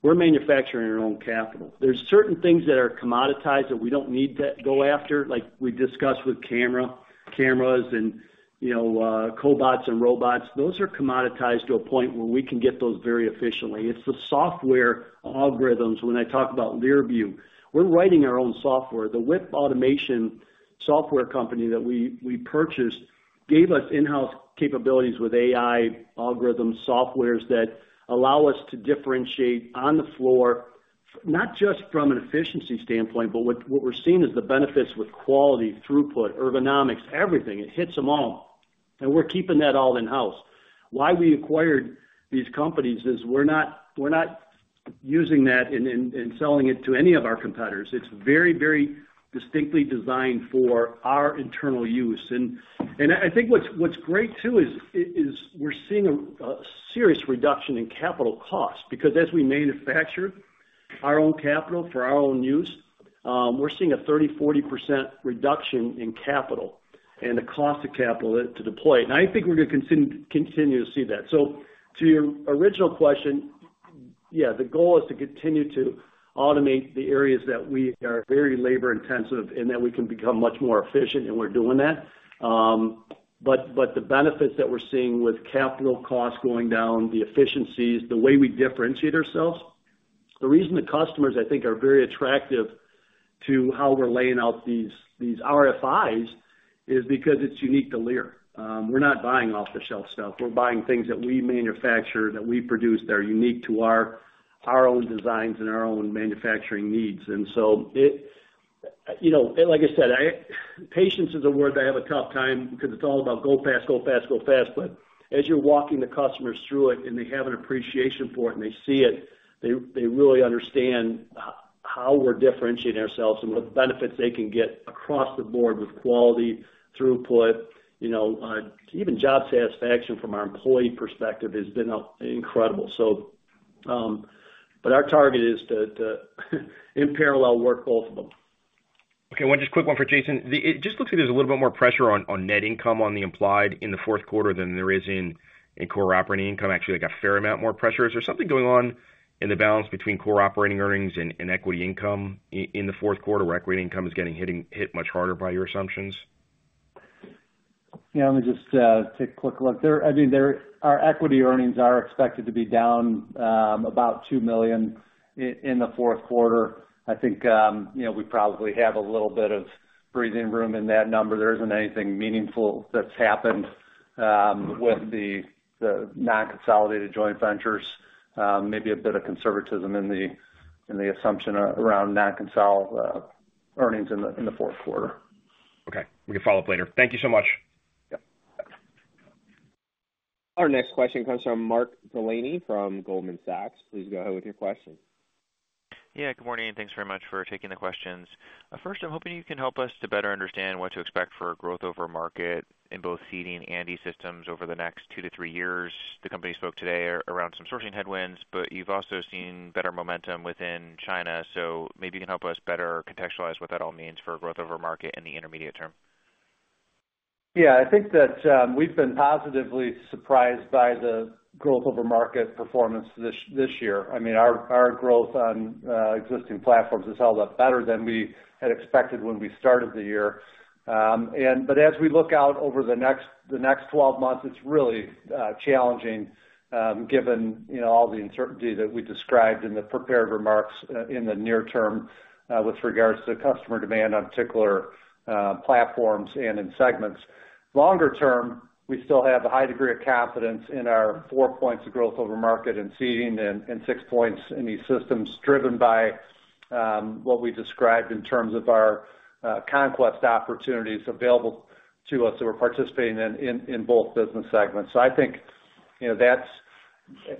we're manufacturing our own capital. are certain things that are commoditized that we don't need to go after, like we discussed with camera, cameras and, you know, cobots and robots. Those are commoditized to a point where we can get those very efficiently. It's the software algorithms, when I talk about Lear View. We're writing our own software. The WIP automation software company that we purchased gave us in-house capabilities with AI algorithm softwares that allow us to differentiate on the floor, not just from an efficiency standpoint, but what we're seeing is the benefits with quality, throughput, ergonomics, everything. It hits them all, and we're keeping that all in-house. Why we acquired these companies is we're not using that and selling it to any of our competitors. It's very, very distinctly designed for our internal use. I think what's great, too, is we're seeing a serious reduction in capital costs, because as we manufacture our own capital for our own use, we're seeing a 30-40% reduction in capital and the cost of capital to deploy. I think we're going to continue to see that. To your original question, yeah, the goal is to continue to automate the areas that we are very labor intensive and that we can become much more efficient, and we're doing that. The benefits that we're seeing with capital costs going down, the efficiencies, the way we differentiate ourselves, the reason the customers, I think, are very attractive to how we're laying out these RFIs, is because it's unique to Lear. We're not buying off-the-shelf stuff. We're buying things that we manufacture, that we produce, that are unique to our, our own designs and our own manufacturing needs. And so it- You know, like I said, patience is a word I have a tough time with, because it's all about go fast, go fast, go fast. But as you're walking the customers through it, and they have an appreciation for it, and they see it, they really understand how we're differentiating ourselves and what benefits they can get across the board with quality, throughput. You know, even job satisfaction from our employee perspective has been incredible. So, but our target is to in parallel work both of them. Okay, one quick one for Jason. It just looks like there's a little bit more pressure on net income on the implied in the Q4 than there is in core operating income. Actually, like a fair amount more pressure. Is there something going on in the balance between core operating earnings and equity income in the Q4, where equity income is getting hit much harder by your assumptions? Yeah, let me just take a quick look. I mean, there, our equity earnings are expected to be down about $2 million in the Q4. I think, you know, we probably have a little bit of breathing room in that number. There isn't anything meaningful that's happened with the non-consolidated joint ventures. Maybe a bit of conservatism in the assumption around non-consolidated earnings in the Q4. Okay, we can follow up later. Thank you so much. Yeah. Our next question comes from Mark Delaney from Goldman Sachs. Please go ahead with your question. Yeah, good morning, and thanks very much for taking the questions. First, I'm hoping you can help us to better understand what to expect for growth over market in both Seating and E-Systems over the next two to three years. The company spoke today around some sourcing headwinds, but you've also seen better momentum within China, so maybe you can help us better contextualize what that all means for growth over market in the intermediate term. Yeah, I think that we've been positively surprised by the growth over market performance this year. I mean, our growth on existing platforms has held up better than we had expected when we started the year. But as we look out over the next twelve months, it's really challenging, given you know all the uncertainty that we described in the prepared remarks in the near term with regards to customer demand on particular platforms and in segments. Longer term, we still have a high degree of confidence in our four points of growth over market in seating and six points in E-Systems, driven by what we described in terms of our conquest opportunities available to us that we're participating in in both business segments. So I think, you know, that's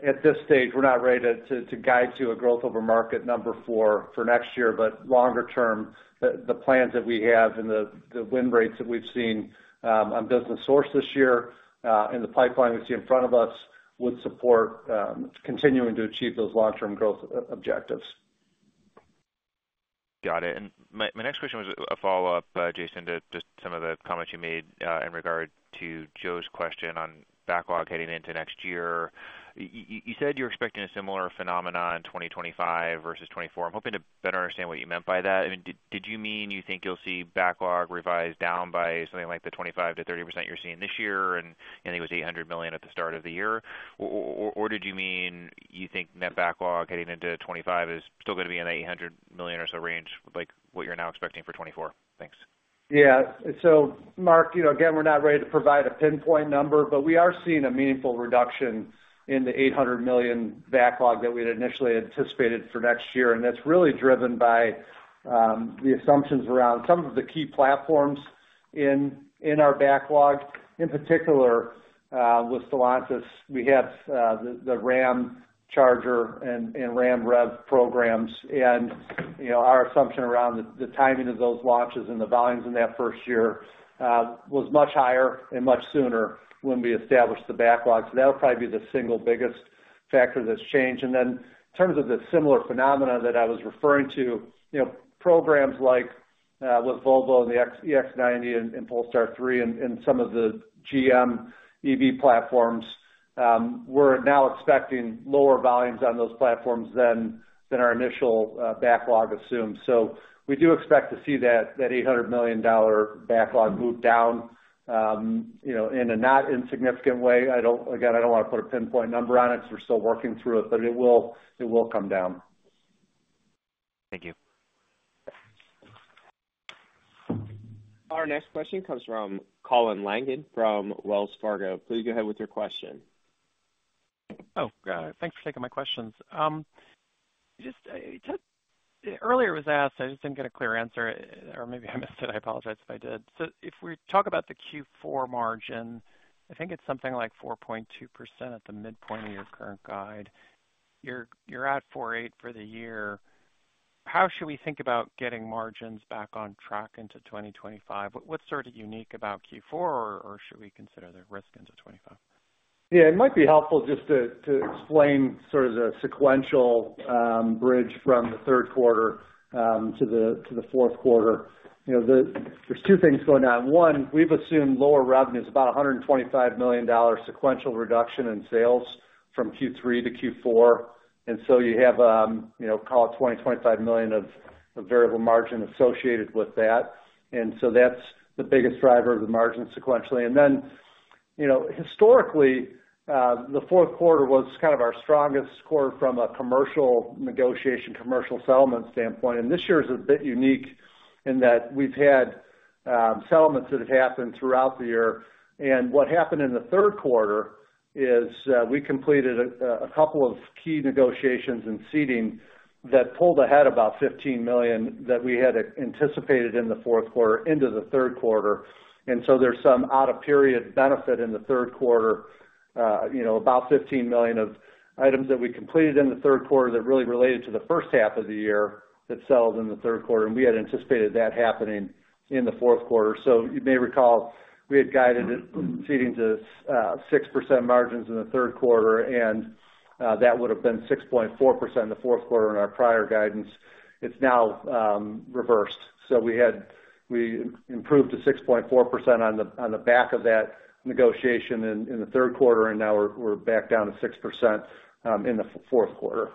at this stage, we're not ready to guide to a growth over market number for next year. But longer term, the plans that we have and the win rates that we've seen on business sourced this year and the pipeline we see in front of us would support continuing to achieve those long-term growth objectives. Got it. And my next question was a follow-up, Jason, to just some of the comments you made in regard to Joe's question on backlog heading into next year. You said you're expecting a similar phenomenon in twenty twenty-five versus twenty-four. I'm hoping to better understand what you meant by that. I mean, did you mean you think you'll see backlog revised down by something like the 25%-30% you're seeing this year, and it was $800 million at the start of the year? Or did you mean you think net backlog getting into twenty-five is still going to be in the $800 million or so range, like what you're now expecting for twenty-four? Thanks. Yeah. So Mark, you know, again, we're not ready to provide a pinpoint number, but we are seeing a meaningful reduction in the $800 million backlog that we had initially anticipated for next year. And that's really driven by the assumptions around some of the key platforms in our backlog. In particular, with Stellantis, we have the Ramcharger and Ram REV programs. And, you know, our assumption around the timing of those launches and the volumes in that first year was much higher and much sooner when we established the backlog. So that'll probably be the single biggest factor that's changed. In terms of the similar phenomena that I was referring to, you know, programs like with Volvo and the EX90 and Polestar 3, and some of the GM EV platforms, we're now expecting lower volumes on those platforms than our initial backlog assumed. So we do expect to see that $800 million backlog move down, you know, in a not insignificant way. I don't, again, want to put a pinpoint number on it because we're still working through it, but it will come down. Thank you. Our next question comes from Colin Langan from Wells Fargo. Please go ahead with your question. Oh, got it. Thanks for taking my questions. Just, earlier it was asked, I just didn't get a clear answer, or maybe I missed it. I apologize if I did. So if we talk about the Q4 margin, I think it's something like 4.2% at the midpoint of your current guide. You're at 4.8% for the year. How should we think about getting margins back on track into 2025? What's sort of unique about Q4, or should we consider the risk into 2025? Yeah, it might be helpful just to explain sort of the sequential bridge from the Q3 to the Q4. You know, there's two things going on. One, we've assumed lower revenues, about $125 million sequential reduction in sales from Q3 to Q4. And so you have, you know, call it 20-25 million of variable margin associated with that. And so that's the biggest driver of the margin sequentially. And then, you know, historically, the Q4 was kind of our strongest quarter from a commercial negotiation, commercial settlement standpoint, and this year is a bit unique in that we've had settlements that have happened throughout the year. What happened in the Q3 is we completed a couple of key negotiations in Seating that pulled ahead about $15 million that we had anticipated in the Q4 into the Q3. There is some out of period benefit in the Q3, you know, about $15 million of items that we completed in the Q3 that really related to the first half of the year, that settled in the Q3, and we had anticipated that happening in the Q4. You may recall we had guided Seating to 6% margins in the Q3, and that would've been 6.4% in the Q4 in our prior guidance. It's now reversed. So we improved to 6.4% on the back of that negotiation in the Q3, and now we're back down to 6%, in the Q4.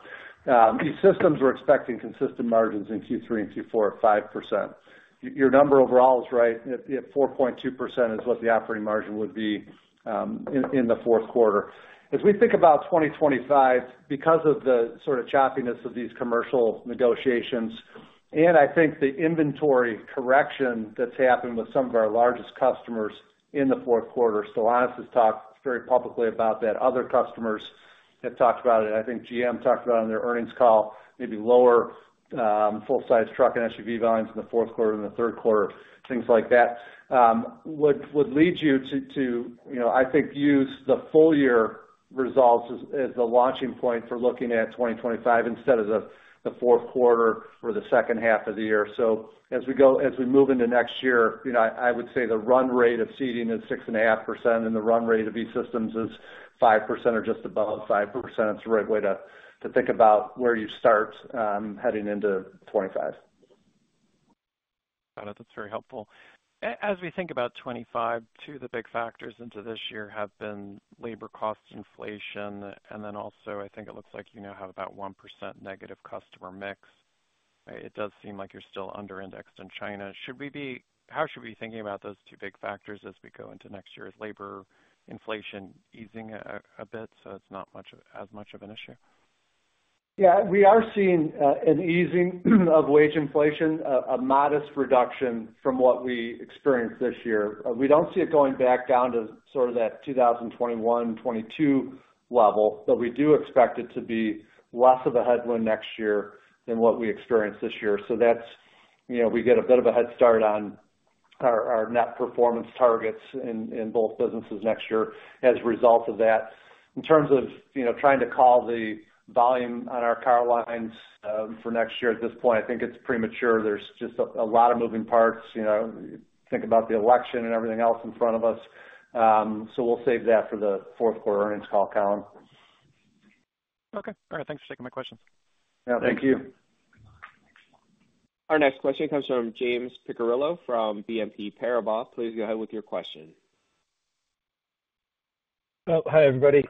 E-Systems were expecting consistent margins in Q3 and Q4 of 5%. Your number overall is right. At 4.2% is what the operating margin would be, in the Q4. As we think about 2025, because of the sort of choppiness of these commercial negotiations, and I think the inventory correction that's happened with some of our largest customers in the Q4. Stellantis has talked very publicly about that. Other customers have talked about it. I think GM talked about it on their earnings call, maybe lower full-size truck and SUV volumes in the Q4 and the Q3, things like that. What would lead you to, you know, I think, use the full year results as the launching point for looking at 2025 instead of the Q4 or the second half of the year. So as we move into next year, you know, I would say the run rate of Seating is 6.5%, and the run rate of E-Systems is 5% or just above 5%. It's the right way to think about where you start heading into 2025. Got it. That's very helpful. As we think about twenty-five, two of the big factors into this year have been labor cost inflation, and then also, I think it looks like you now have about 1% negative customer mix. It does seem like you're still under-indexed in China. How should we be thinking about those two big factors as we go into next year? Is labor inflation easing a bit, so it's not as much of an issue? Yeah, we are seeing an easing of wage inflation, a modest reduction from what we experienced this year. We don't see it going back down to sort of that 2021, 2022 level, but we do expect it to be less of a headwind next year than what we experienced this year. So that's, you know, we get a bit of a head start on our net performance targets in both businesses next year as a result of that. In terms of, you know, trying to call the volume on our car lines for next year, at this point, I think it's premature. There's just a lot of moving parts, you know, think about the election and everything else in front of us. So we'll save that for the Q4 earnings call, Colin. Okay. All right, thanks for taking my question. Yeah, thank you. Our next question comes from James Picariello from BNP Paribas. Please go ahead with your question. Hi, everybody.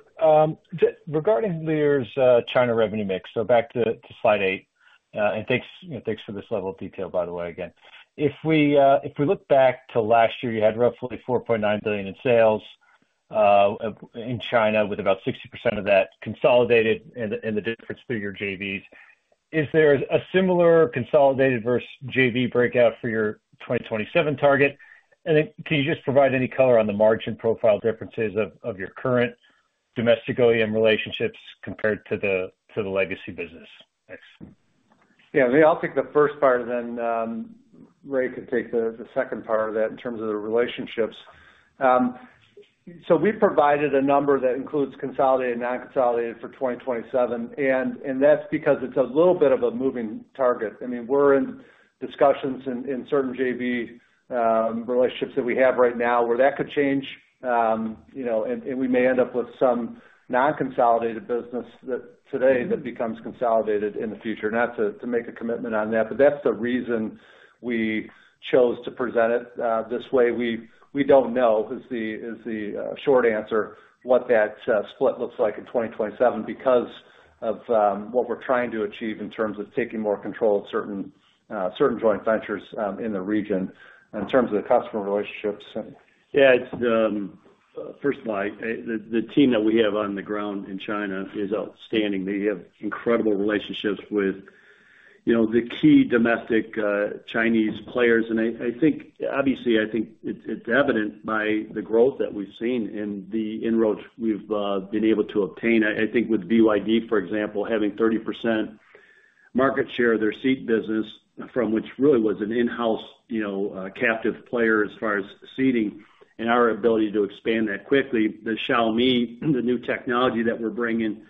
Regarding Lear's China revenue mix, so back to slide 8. And thanks, you know, for this level of detail, by the way, again. If we look back to last year, you had roughly $4.9 billion in sales in China, with about 60% of that consolidated and the difference through your JVs. Is there a similar consolidated versus JV breakout for your 2027 target? And then, can you just provide any color on the margin profile differences of your current domestic OEM relationships compared to the legacy business? Thanks. Yeah, me, I'll take the first part, and then Ray can take the second part of that in terms of the relationships. So we provided a number that includes consolidated and non-consolidated for 2027, and that's because it's a little bit of a moving target. I mean, we're in discussions in certain JV relationships that we have right now, where that could change. You know, and we may end up with some non-consolidated business that today becomes consolidated in the future. Not to make a commitment on that, but that's the reason we chose to present it this way. We don't know is the short answer what that split looks like in 2027 because of what we're trying to achieve in terms of taking more control of certain certain joint ventures in the region. In terms of the customer relationships. Yeah, it's first of all, the team that we have on the ground in China is outstanding. They have incredible relationships with, you know, the key domestic Chinese players. And I think obviously, I think it's evident by the growth that we've seen and the inroads we've been able to obtain. I think with BYD, for example, having 30% market share of their seat business, from which really was an in-house, you know, captive player as far as seating and our ability to expand that quickly. The Xiaomi, the new technology that we're bringing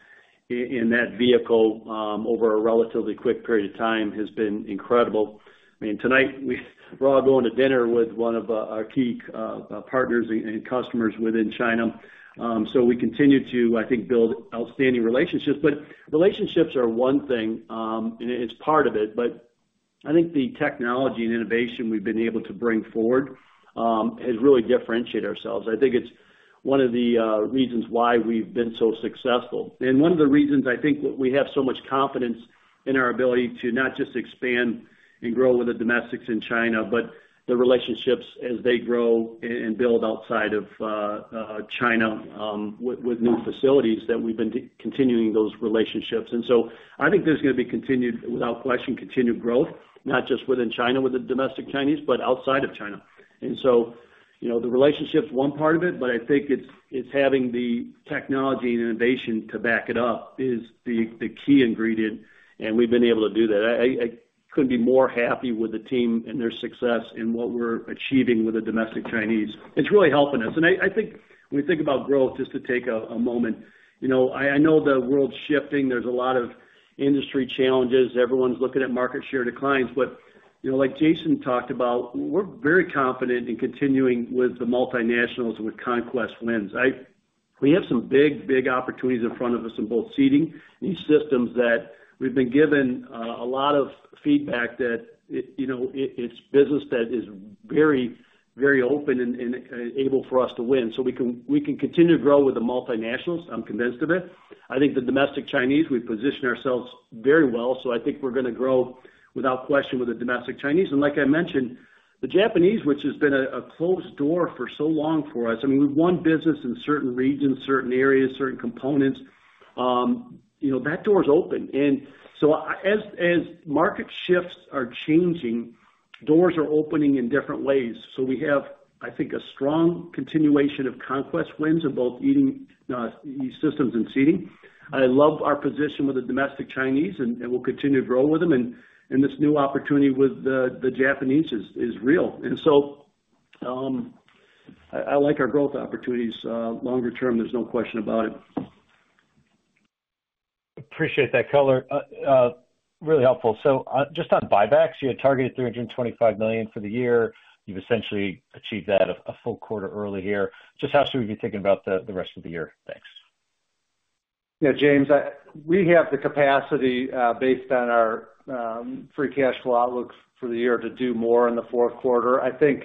in that vehicle, over a relatively quick period of time, has been incredible. I mean, tonight, we're all going to dinner with one of our key partners and customers within China. So we continue to, I think, build outstanding relationships, but relationships are one thing, and it's part of it, but I think the technology and innovation we've been able to bring forward has really differentiated ourselves. I think it's one of the reasons why we've been so successful, and one of the reasons I think we have so much confidence in our ability to not just expand and grow with the domestics in China, but the relationships as they grow and build outside of China, with new facilities that we've been continuing those relationships. And so I think there's gonna be continued, without question, continued growth, not just within China, with the domestic Chinese, but outside of China. And so... You know, the relationship's one part of it, but I think it's having the technology and innovation to back it up is the key ingredient, and we've been able to do that. I couldn't be more happy with the team and their success in what we're achieving with the domestic Chinese. It's really helping us. And I think when we think about growth, just to take a moment, you know, I know the world's shifting. There's a lot of industry challenges. Everyone's looking at market share declines, but, you know, like Jason talked about, we're very confident in continuing with the multinationals, with conquest wins. We have some big, big opportunities in front of us in both seating and systems that we've been given a lot of feedback that it, you know, it's business that is very, very open and able for us to win. So we can continue to grow with the multinationals, I'm convinced of it. I think the domestic Chinese, we position ourselves very well, so I think we're going to grow without question with the domestic Chinese. And like I mentioned, the Japanese, which has been a closed door for so long for us, I mean, we've won business in certain regions, certain areas, certain components, you know, that door is open. And so, as market shifts are changing, doors are opening in different ways. We have, I think, a strong continuation of conquest wins in both E-Systems and seating. I love our position with the domestic Chinese, and we'll continue to grow with them. This new opportunity with the Japanese is real. I like our growth opportunities longer term. There's no question about it. Appreciate that color. Really helpful. So, just on buybacks, you had targeted $325 million for the year. You've essentially achieved that a full quarter early here. Just how should we be thinking about the rest of the year? Thanks. Yeah, James, we have the capacity, based on our free cash flow outlook for the year to do more in the Q4. I think,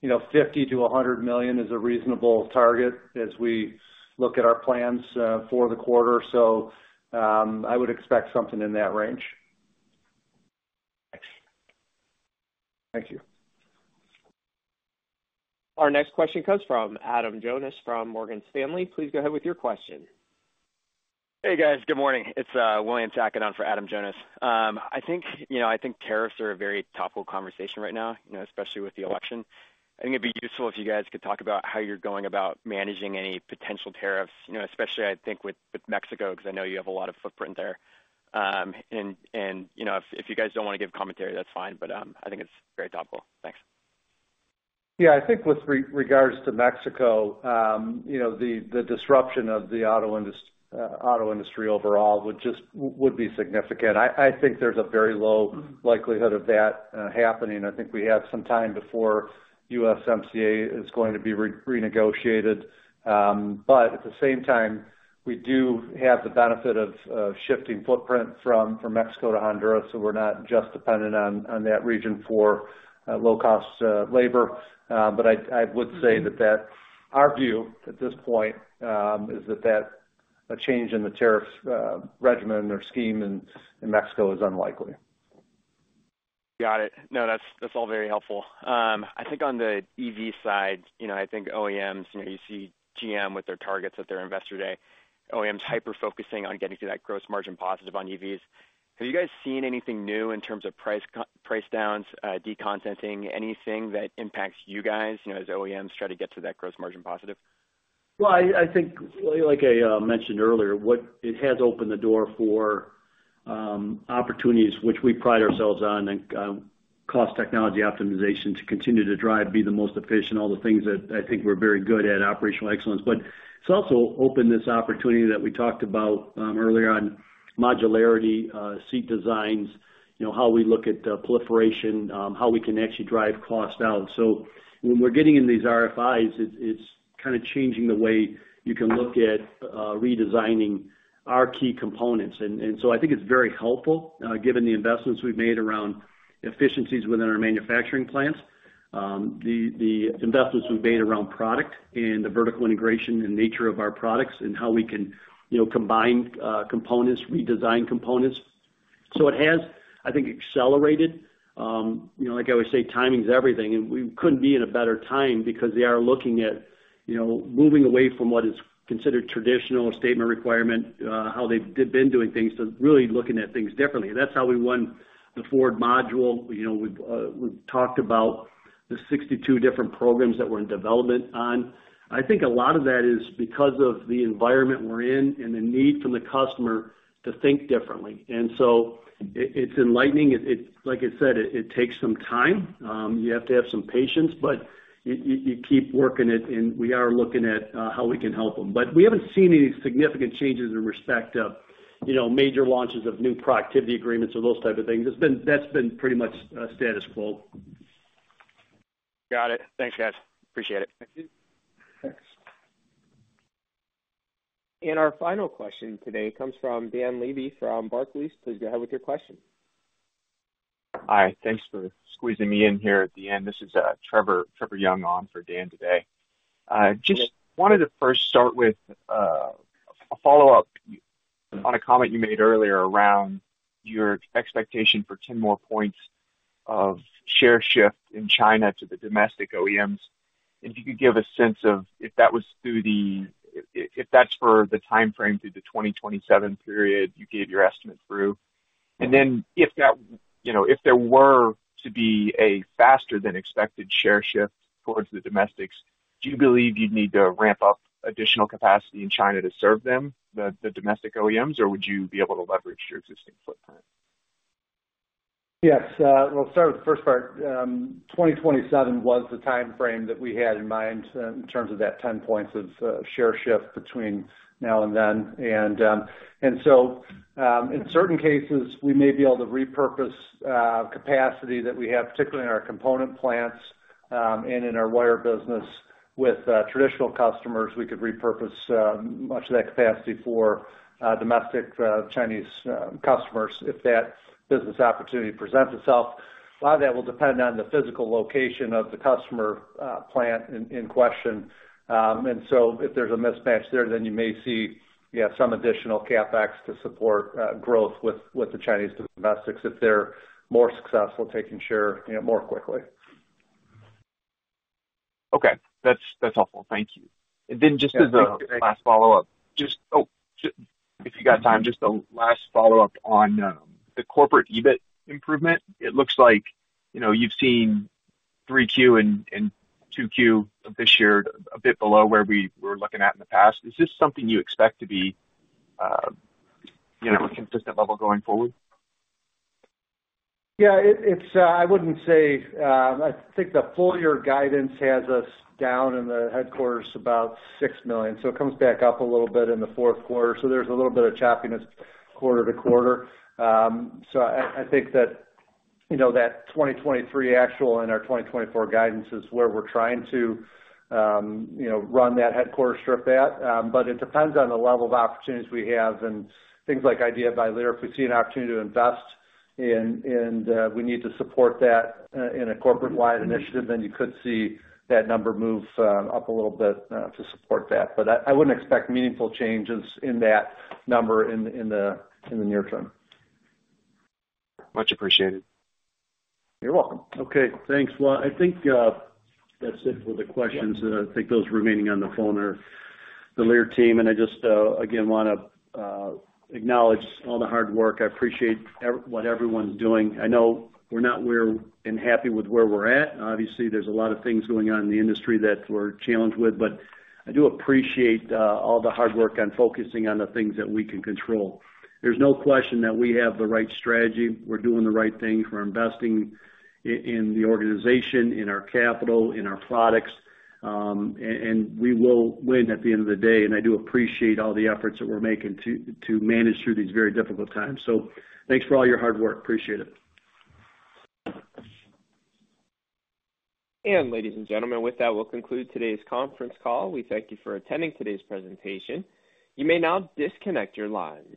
you know, $50 million-100 million is a reasonable target as we look at our plans for the quarter. So, I would expect something in that range. Thanks. Thank you. Our next question comes from Adam Jonas, from Morgan Stanley. Please go ahead with your question. Hey, guys. Good morning. It's William Tang on for Adam Jonas. I think, you know, I think tariffs are a very topical conversation right now, you know, especially with the election. I think it'd be useful if you guys could talk about how you're going about managing any potential tariffs, you know, especially I think with Mexico, because I know you have a lot of footprint there. And, you know, if you guys don't want to give commentary, that's fine, but I think it's very topical. Thanks. Yeah, I think with regards to Mexico, you know, the disruption of the auto industry overall would be significant. I think there's a very low likelihood of that happening. I think we have some time before USMCA is going to be renegotiated. But at the same time, we do have the benefit of shifting footprint from Mexico to Honduras, so we're not just dependent on that region for low-cost labor. But I would say that our view at this point is that a change in the tariff regime or scheme in Mexico is unlikely. Got it. No, that's all very helpful. I think on the EV side, you know, I think OEMs, you know, you see GM with their targets at their investor day, OEMs hyper-focusing on getting to that gross margin positive on EVs. Have you guys seen anything new in terms of price downs, decontenting, anything that impacts you guys, you know, as OEMs try to get to that gross margin positive? Well, I think, like I mentioned earlier, what it has opened the door for opportunities which we pride ourselves on, and cost technology optimization to continue to drive, be the most efficient, all the things that I think we're very good at, operational excellence. But it's also opened this opportunity that we talked about earlier on modularity, seat designs, you know, how we look at the proliferation, how we can actually drive costs down. So when we're getting in these RFIs, it's kind of changing the way you can look at redesigning our key components. I think it's very helpful, given the investments we've made around efficiencies within our manufacturing plants, the investments we've made around product and the vertical integration and nature of our products, and how we can, you know, combine components, redesign components. So it has, I think, accelerated. You know, like I always say, timing is everything, and we couldn't be in a better time because they are looking at, you know, moving away from what is considered traditional statement requirement, how they've been doing things, to really looking at things differently. That's how we won the Ford module. You know, we've talked about the 62 different programs that we're in development on. I think a lot of that is because of the environment we're in and the need from the customer to think differently. And so it's enlightening. It, like I said, it takes some time. You have to have some patience, but you keep working it, and we are looking at how we can help them. But we haven't seen any significant changes in respect of, you know, major launches of new productivity agreements or those type of things. It's been. That's been pretty much status quo. Got it. Thanks, guys. Appreciate it. Thank you. Thanks. And our final question today comes from Dan Levy, from Barclays. Please go ahead with your question. Hi. Thanks for squeezing me in here at the end. This is Trevor Young on for Dan Levy. Just wanted to first start with a follow-up on a comment you made earlier around your expectation for 10 more points of share shift in China to the domestic OEMs. If you could give a sense of if that was through the, if that's for the timeframe through the 2027 period, you gave your estimate through? And then if that, you know, if there were to be a faster than expected share shift towards the domestics, do you believe you'd need to ramp up additional capacity in China to serve them, the domestic OEMs, or would you be able to leverage your existing footprint? Yes. We'll start with the first part. 2027 was the timeframe that we had in mind in terms of that 10 points of share shift between now and then. And so, in certain cases, we may be able to repurpose capacity that we have, particularly in our component plants, and in our wire business with traditional customers. We could repurpose much of that capacity for domestic Chinese customers if that business opportunity presents itself. A lot of that will depend on the physical location of the customer plant in question. And so if there's a mismatch there, then you may see some additional CapEx to support growth with the Chinese domestics, if they're more successful taking share, you know, more quickly. Okay. That's, that's helpful. Thank you. And then just as a last follow-up, if you got time, just a last follow-up on the corporate EBIT improvement. It looks like, you know, you've seen three Q and two Q of this year a bit below where we were looking at in the past. Is this something you expect to be, you know, a consistent level going forward? Yeah, it's. I wouldn't say. I think the full year guidance has us down in the headcount about six million, so it comes back up a little bit in the Q4, so there's a little bit of choppiness quarter to quarter, so I think that, you know, that 2023 actual and our 2024 guidance is where we're trying to, you know, run that headcount strip at, but it depends on the level of opportunities we have and things like Idea by Lear. If we see an opportunity to invest and we need to support that in a corporate-wide initiative, then you could see that number move up a little bit to support that, but I wouldn't expect meaningful changes in that number in the near term. Much appreciated. You're welcome. Okay, thanks. Well, I think that's it for the questions. I think those remaining on the phone are the Lear team, and I just again wanna acknowledge all the hard work. I appreciate what everyone's doing. I know we're not happy with where we're at. Obviously, there's a lot of things going on in the industry that we're challenged with, but I do appreciate all the hard work on focusing on the things that we can control. There's no question that we have the right strategy. We're doing the right thing. We're investing in the organization, in our capital, in our products, and we will win at the end of the day. And I do appreciate all the efforts that we're making to manage through these very difficult times. So thanks for all your hard work. Appreciate it. And ladies and gentlemen, with that, we'll conclude today's conference call. We thank you for attending today's presentation. You may now disconnect your lines.